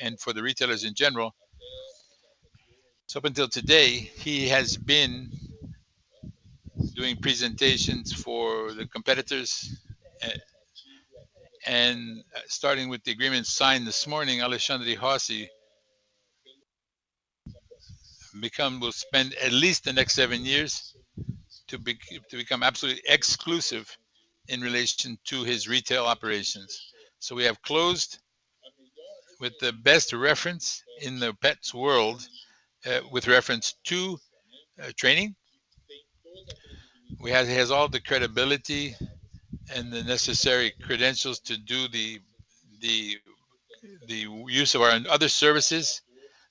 and for the retailers in general. Up until today, he has been doing presentations for the competitors. Starting with the agreement signed this morning, Alexandre Rossi will spend at least the next seven years to become absolutely exclusive in relation to his retail operations. We have closed with the best reference in the pets world, with reference to training. He has all the credibility and the necessary credentials to do the use of our and other services,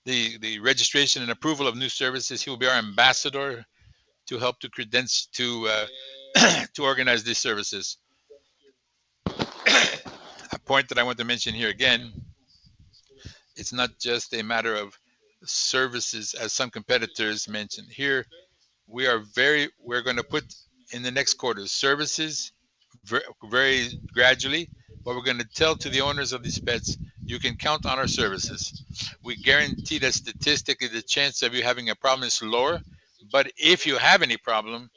the registration and approval of new services. He will be our ambassador to help to organize these services. A point that I want to mention here again, it's not just a matter of services as some competitors mention. Here we are, we're gonna put in the next quarter services very gradually, but we're gonna tell to the owners of these pets, "You can count on our services. We guarantee that statistically the chance of you having a problem is lower, but if you have any problem,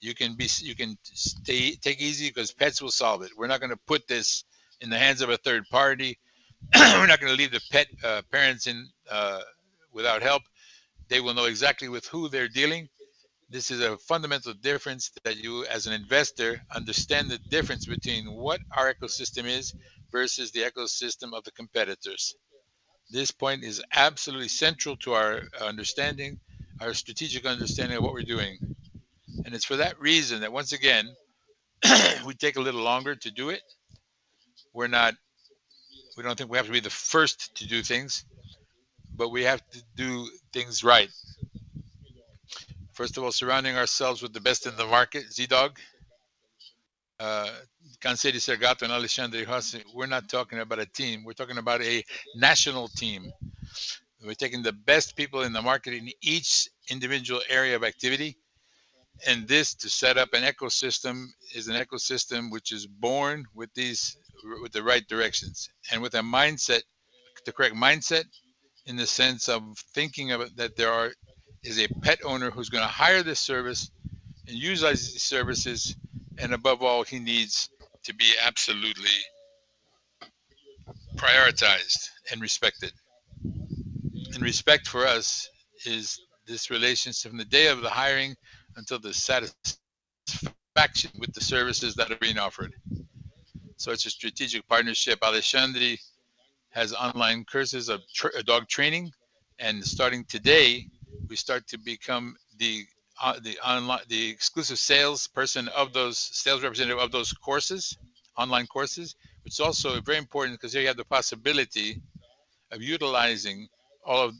you can take it easy 'cause Petz will solve it." We're not gonna put this in the hands of a third party. We're not gonna leave the pet parents in without help. They will know exactly with who they're dealing. This is a fundamental difference that you as an investor understand the difference between what our ecosystem is versus the ecosystem of the competitors. This point is absolutely central to our understanding, our strategic understanding of what we're doing. It's for that reason that, once again, we take a little longer to do it. We don't think we have to be the first to do things, but we have to do things right. First of all, surrounding ourselves with the best in the market, Zee.Dog, Cansei de Ser Gato, and Alexandre Rossi. We're not talking about a team. We're talking about a national team. We're taking the best people in the market in each individual area of activity, and this to set up an ecosystem is an ecosystem which is born with the right directions and with a mindset, the correct mindset in the sense of thinking of it that there is a pet owner who's gonna hire this service and utilize these services, and above all, he needs to be absolutely prioritized and respected. Respect for us is this relationship from the day of the hiring until the satisfaction with the services that are being offered. It's a strategic partnership. Alexandre has online courses of dog training, and starting today, we start to become the exclusive sales representative of those courses, online courses. It's also very important because here you have the possibility of utilizing all of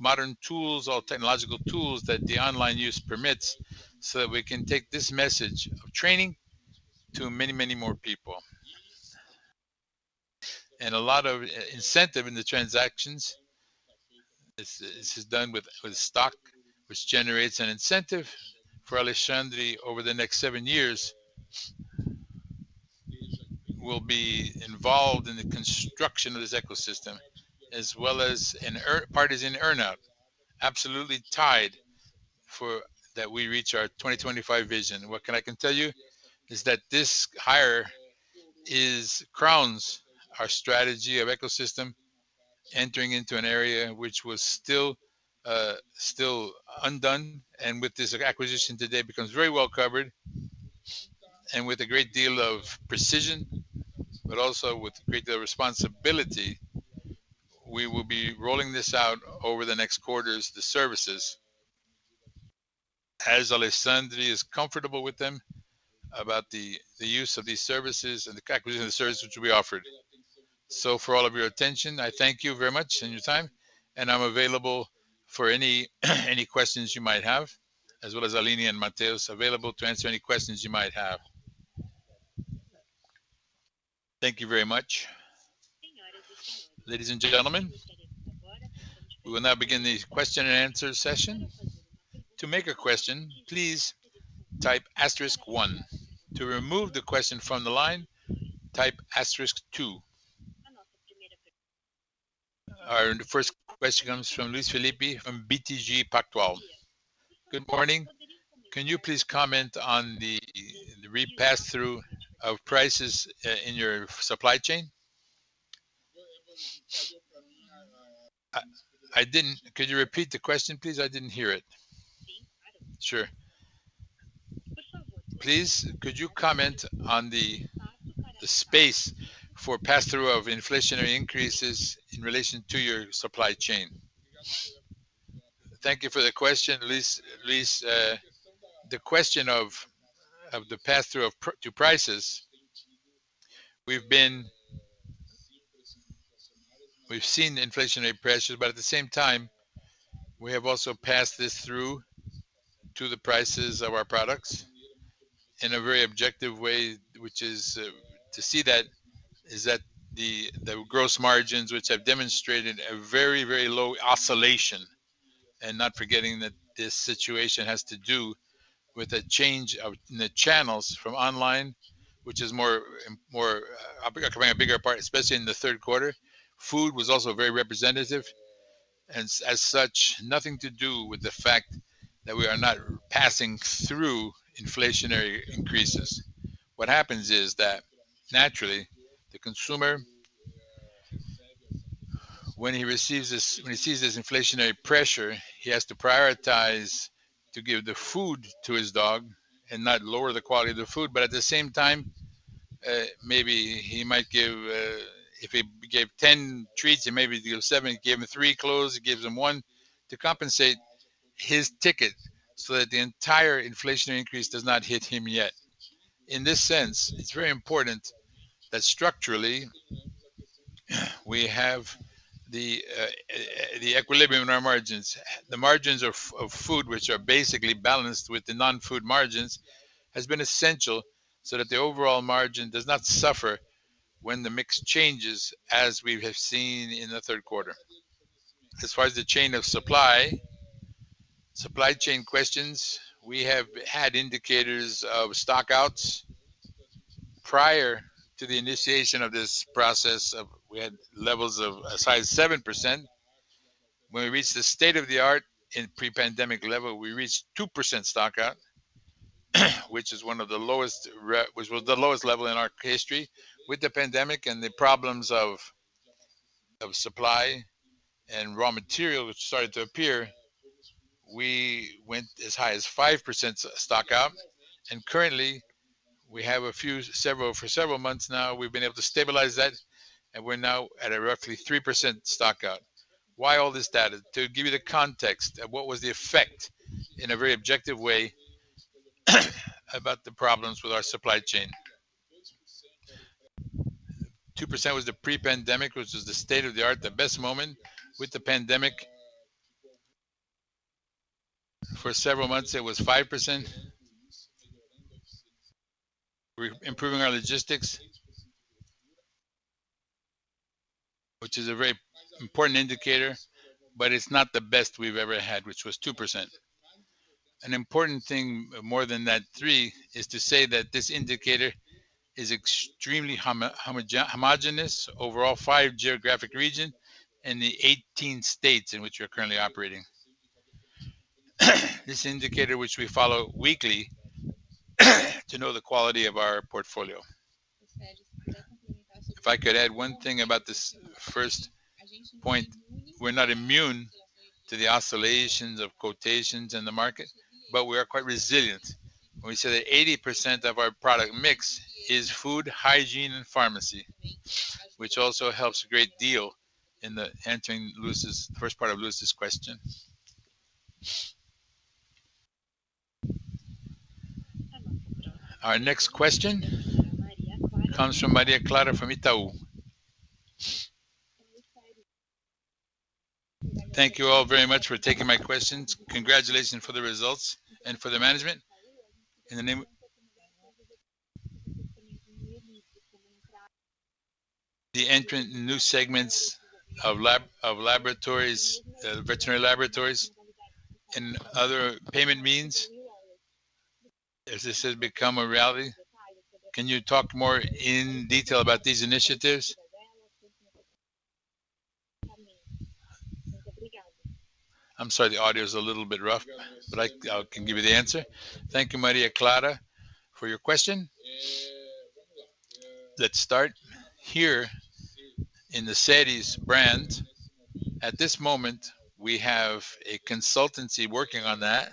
modern tools, all technological tools that the online use permits, so that we can take this message of training to many, many more people. A lot of incentive in the transactions is done with stock, which generates an incentive for Alexandre over the next seven years, will be involved in the construction of this ecosystem as well as an earn-out absolutely tied for that we reach our 2025 vision. What I can tell you is that this acquisition crowns our strategy of ecosystem entering into an area which was still undone, and with this acquisition today becomes very well covered and with a great deal of precision, but also with great deal of responsibility, we will be rolling this out over the next quarters, the services, as Alexandre is comfortable with them about the use of these services and the acquisition of the services which will be offered. For all of your attention, I thank you very much and your time, and I'm available for any questions you might have, as well as Aline and Matheus available to answer any questions you might have. Thank you very much. Ladies and gentlemen, we will now begin the question and answer session. To make a question, please type asterisk one. Our first question comes from Luis Felipe from BTG Pactual. Good morning. Can you please comment on the pass-through of prices in your supply chain? Could you repeat the question, please? I didn't hear it. Sure. Please could you comment on the space for pass-through of inflationary increases in relation to your supply chain? Thank you for the question, Luis. The question of the pass-through to prices, we've been... We've seen inflationary pressures, but at the same time, we have also passed this through to the prices of our products in a very objective way, which is to see that the gross margins which have demonstrated a very low oscillation and not forgetting that this situation has to do with a change of the channels from online, which is more occupying a bigger part, especially in the third quarter. Food was also very representative and as such, nothing to do with the fact that we are not passing through inflationary increases. What happens is that naturally the consumer, when he receives this, when he sees this inflationary pressure, he has to prioritize to give the food to his dog and not lower the quality of the food. At the same time, maybe he might give. If he gave 10 treats and maybe he gives seven, he gave him three clothes, he gives him one to compensate his ticket so that the entire inflationary increase does not hit him yet. In this sense, it's very important that structurally, we have the equilibrium in our margins. The margins of food, which are basically balanced with the non-food margins, has been essential so that the overall margin does not suffer when the mix changes as we have seen in the third quarter. As far as the supply chain questions, we have had indicators of stock-outs. Prior to the initiation of this process, we had levels of as high as 7%. When we reached the state-of-the-art in pre-pandemic level, we reached 2% stock-out, which was the lowest level in our history. With the pandemic and the problems of supply and raw material which started to appear, we went as high as 5% stock-out. Currently, for several months now, we've been able to stabilize that, and we're now at a roughly 3% stock-out. Why all this data? To give you the context of what was the effect in a very objective way about the problems with our supply chain. 2% was the pre-pandemic, which was the state-of-the-art, the best moment. With the pandemic, for several months, it was 5%. We're improving our logistics, which is a very important indicator, but it's not the best we've ever had, which was 2%. An important thing, more than that 3%, is to say that this indicator is extremely homogeneous overall five geographic regions and the 18 states in which we are currently operating. This indicator which we follow weekly to know the quality of our portfolio. If I could add one thing about this first point, we're not immune to the oscillations of quotations in the market, but we are quite resilient when we say that 80% of our product mix is food, hygiene, and pharmacy, which also helps a great deal in answering Luis's first part of Luis's question. Our next question comes from Maria Clara from Itaú. Thank you all very much for taking my questions. Congratulations for the results and for the management. In the name. The entry into new segments of laboratories, veterinary laboratories and other payment means, has this become a reality? Can you talk more in detail about these initiatives? I'm sorry the audio is a little bit rough, but I can give you the answer. Thank you, Maria Clara, for your question. Let's start here in the Seres brand. At this moment, we have a consultancy working on that.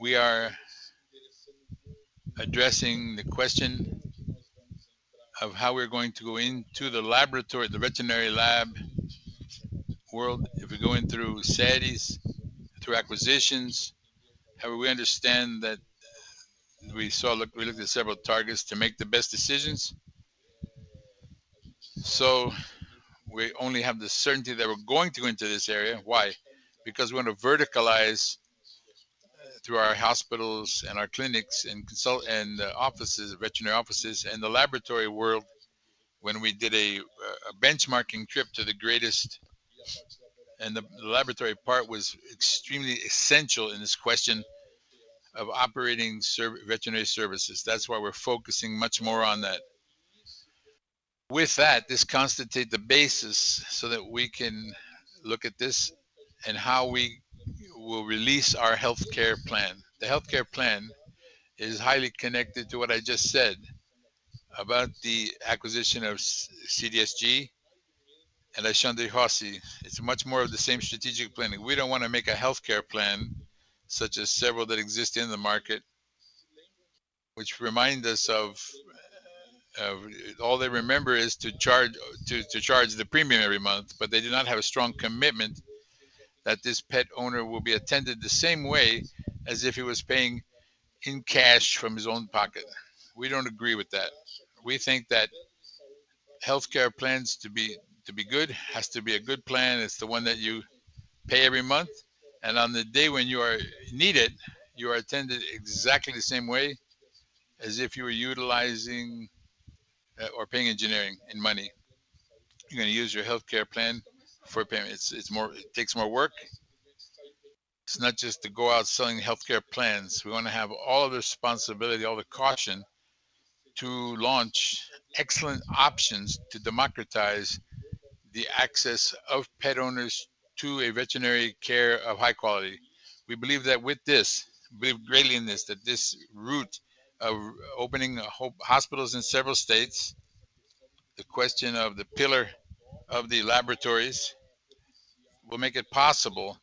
We are addressing the question of how we're going to go into the laboratory, the veterinary lab world. If we go in through Seres, through acquisitions. However, we understand that we looked at several targets to make the best decisions. We only have the certainty that we're going to go into this area. Why? Because we want to verticalize through our hospitals and our clinics and the offices, the veterinary offices and the laboratory world when we did a benchmarking trip to the greatest. The laboratory part was extremely essential in this question of operating veterinary services. That's why we're focusing much more on that. With that, this constitute the basis so that we can look at this and how we will release our healthcare plan. The healthcare plan is highly connected to what I just said about the acquisition of CDSG and Alexandre Rossi. It's much more of the same strategic planning. We don't wanna make a healthcare plan such as several that exist in the market, which remind us of all they remember is to charge the premium every month, but they do not have a strong commitment that this pet owner will be attended the same way as if he was paying in cash from his own pocket. We don't agree with that. We think that healthcare plans to be good has to be a good plan. It's the one that you pay every month, and on the day when you are needed, you are attended exactly the same way as if you were utilizing or paying in money. You're gonna use your healthcare plan for payment. It's more. It takes more work. It's not just to go out selling healthcare plans. We wanna have all of the responsibility, all the caution to launch excellent options to democratize the access of pet owners to a veterinary care of high quality. We believe that with this, greatly in this, that this route of opening hospitals in several states, the question of the pillar of the laboratories will make it possible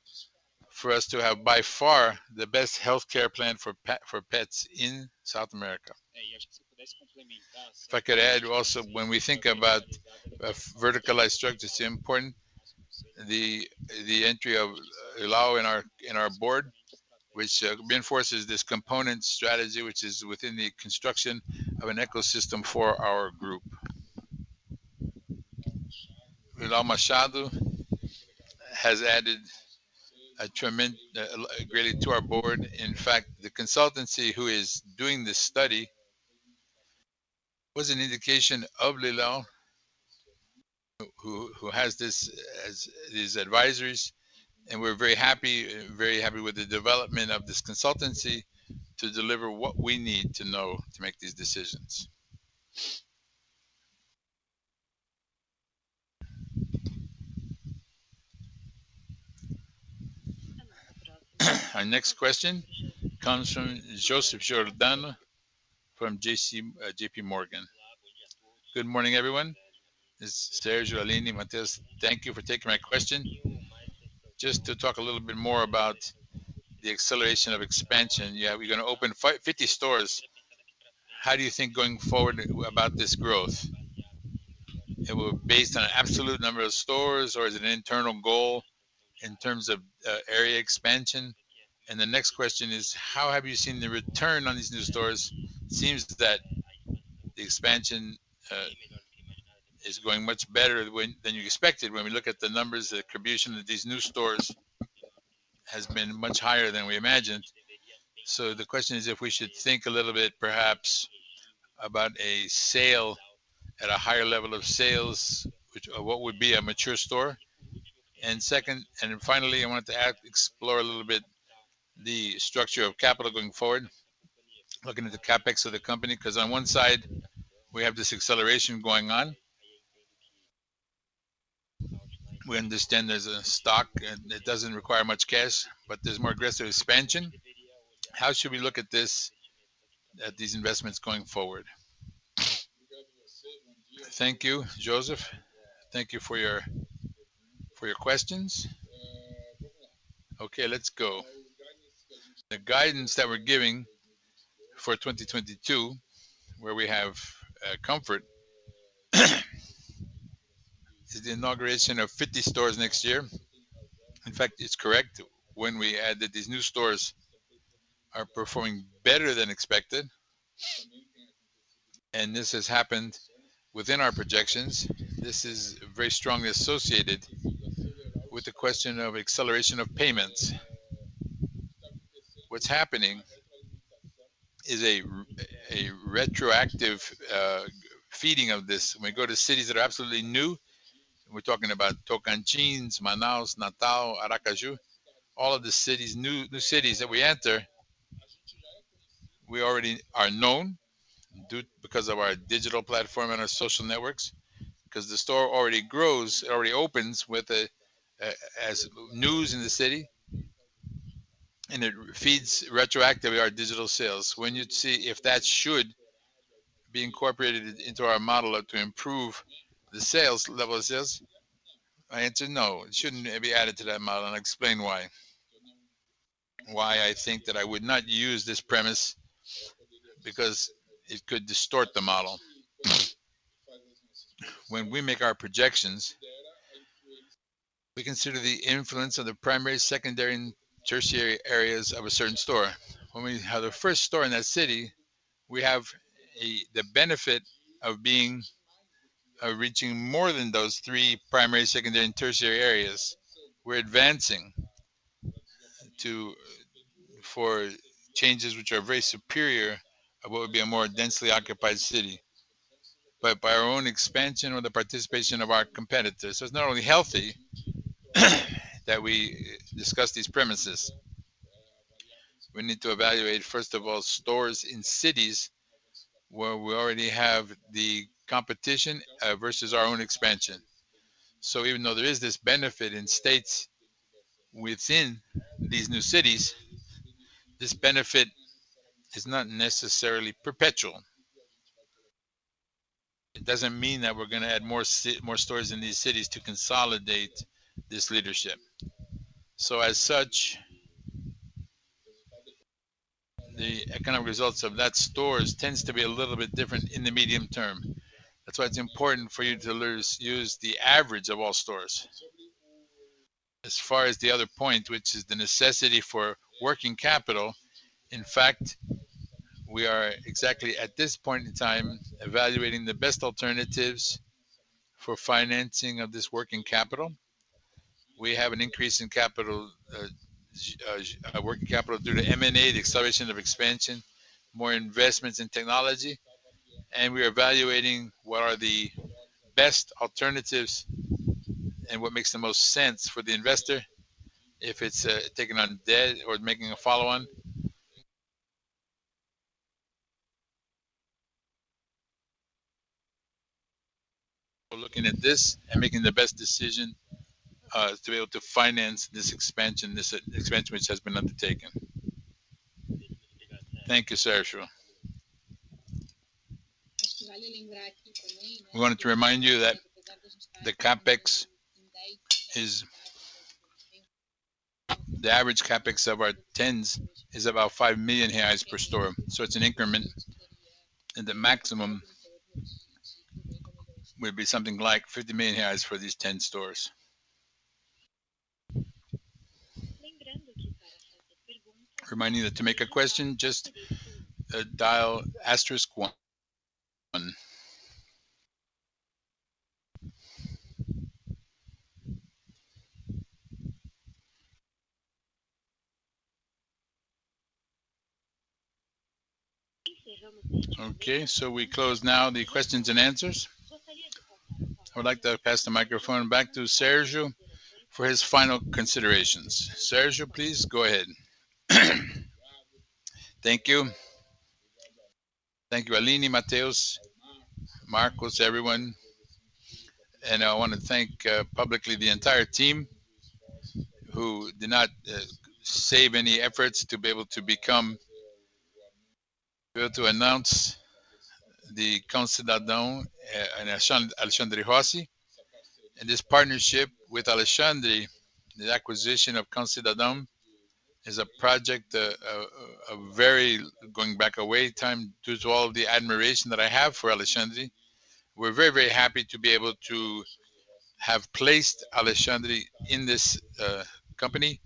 for us to have by far the best healthcare plan for pets in South America. If I could add also, when we think about a verticalized structure, it's important the entry of Lilian in our board, which reinforces this component strategy, which is within the construction of an ecosystem for our group. Lilian Machado has added greatly to our board. In fact, the consultancy who is doing this study was an indication of Lilian, who has this as his advisors, and we're very happy with the development of this consultancy to deliver what we need to know to make these decisions. Our next question comes from Joseph Giordano from JPMorgan. Good morning, everyone. This is Sérgio Alini Mateus. Thank you for taking my question. Just to talk a little bit more about the acceleration of expansion. Yeah, we're gonna open 50 stores. How do you think going forward about this growth? Are based on an absolute number of stores or is it an internal goal in terms of area expansion? The next question is, how have you seen the return on these new stores? Seems that the expansion is going much better than you expected. When we look at the numbers, the contribution of these new stores has been much higher than we imagined. The question is if we should think a little bit perhaps about a sale at a higher level of sales, which or what would be a mature store? Finally, I wanted to explore a little bit the structure of capital going forward, looking at the CapEx of the company, 'cause on one side we have this acceleration going on. We understand there's a stock and it doesn't require much cash, but there's more aggressive expansion. How should we look at this, at these investments going forward? Thank you, Joseph. Thank you for your questions. Okay, let's go. The guidance that we're giving for 2022, where we have comfort, is the inauguration of 50 stores next year. In fact, it's correct when we add that these new stores are performing better than expected. This has happened within our projections. This is very strongly associated with the question of acceleration of payments. What's happening is a retroactive feeding of this. When we go to cities that are absolutely new, we're talking about Tocantins, Manaus, Natal, Aracaju, all of the cities, new cities that we enter, we already are known because of our digital platform and our social networks. Because the store already grows, already opens as news in the city, and it feeds retroactively our digital sales. When you'd see if that should be incorporated into our model to improve the sales, level of sales, I answer no. It shouldn't be added to that model, and I'll explain why. Why I think that I would not use this premise, because it could distort the model. When we make our projections, we consider the influence of the primary, secondary, and tertiary areas of a certain store. When we have the first store in that city, we have the benefit of reaching more than those three primary, secondary, and tertiary areas. We're advancing to areas which are very superior to what would be in a more densely occupied city. By our own expansion or the participation of our competitors, so it's not only healthy that we discuss these premises. We need to evaluate, first of all, stores in cities where we already have the competition, versus our own expansion. Even though there is this benefit in states within these new cities, this benefit is not necessarily perpetual. It doesn't mean that we're gonna add more stores in these cities to consolidate this leadership. As such, the economic results of that stores tends to be a little bit different in the medium term. That's why it's important for you to use the average of all stores. As far as the other point, which is the necessity for working capital, in fact, we are exactly at this point in time evaluating the best alternatives for financing of this working capital. We have an increase in working capital due to M&A, the acceleration of expansion, more investments in technology, and we are evaluating what are the best alternatives and what makes the most sense for the investor, if it's taking on debt or making a follow-on. Looking at this and making the best decision to be able to finance this expansion which has been undertaken. Thank you, Sérgio. We wanted to remind you that the CapEx is the average CapEx of our ten stores is about 5 million reais per store. So it's an increment, and the maximum would be something like 50 million for these 10 stores. Reminding you that to make a question, just dial asterisk one. Okay, we close now the questions and answers. I would like to pass the microphone back to Sérgio for his final considerations. Sérgio, please go ahead. Thank you. Thank you, Aline, Matheus, Marcos, everyone. I wanna thank publicly the entire team who did not spare any efforts to be able to announce the Cão Cidadão and Alexandre Rossi. This partnership with Alexandre, the acquisition of Cão Cidadão is a project going back a long time due to all the admiration that I have for Alexandre. We're very, very happy to be able to have placed Alexandre in this company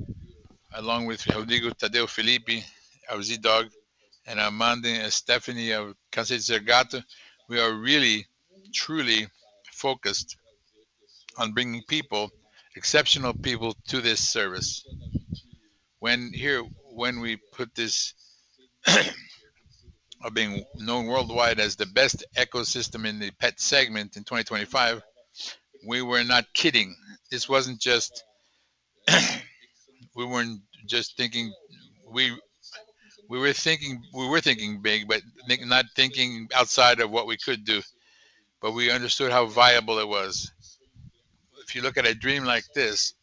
along with Rodrigo, Tadeu, Felipe of Zee.Dog, and Amanda and Stefany of Cansei de Ser Gato. We are really truly focused on bringing people, exceptional people to this service. When we put this, of being known worldwide as the best ecosystem in the pet segment in 2025, we were not kidding. This wasn't just. We weren't just thinking. We were thinking big, but not thinking outside of what we could do, but we understood how viable it was. If you look at a dream like this,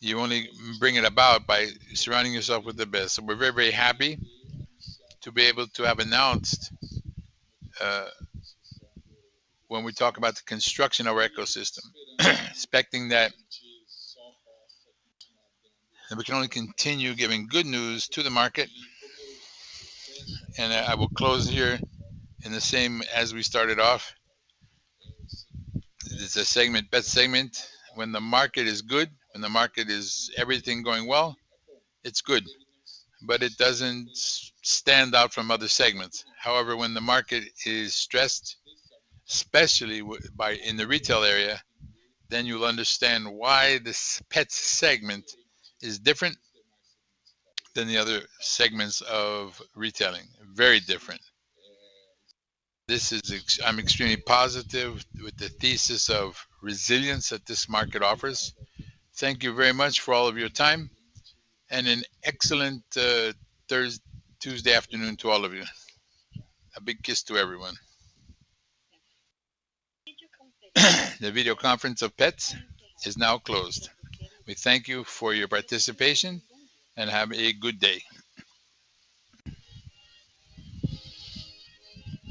you only bring it about by surrounding yourself with the best. We're very, very happy to be able to have announced when we talk about the construction of our ecosystem, expecting that. We can only continue giving good news to the market. I will close here in the same as we started off. This is a segment, pet segment. When the market is good, when the market is everything going well, it's good, but it doesn't stand out from other segments. However, when the market is stressed, especially in the retail area, then you'll understand why this pet segment is different than the other segments of retailing. Very different. I'm extremely positive with the thesis of resilience that this market offers. Thank you very much for all of your time and an excellent Tuesday afternoon to all of you. A big kiss to everyone. The video conference of Petz is now closed. We thank you for your participation, and have a good day.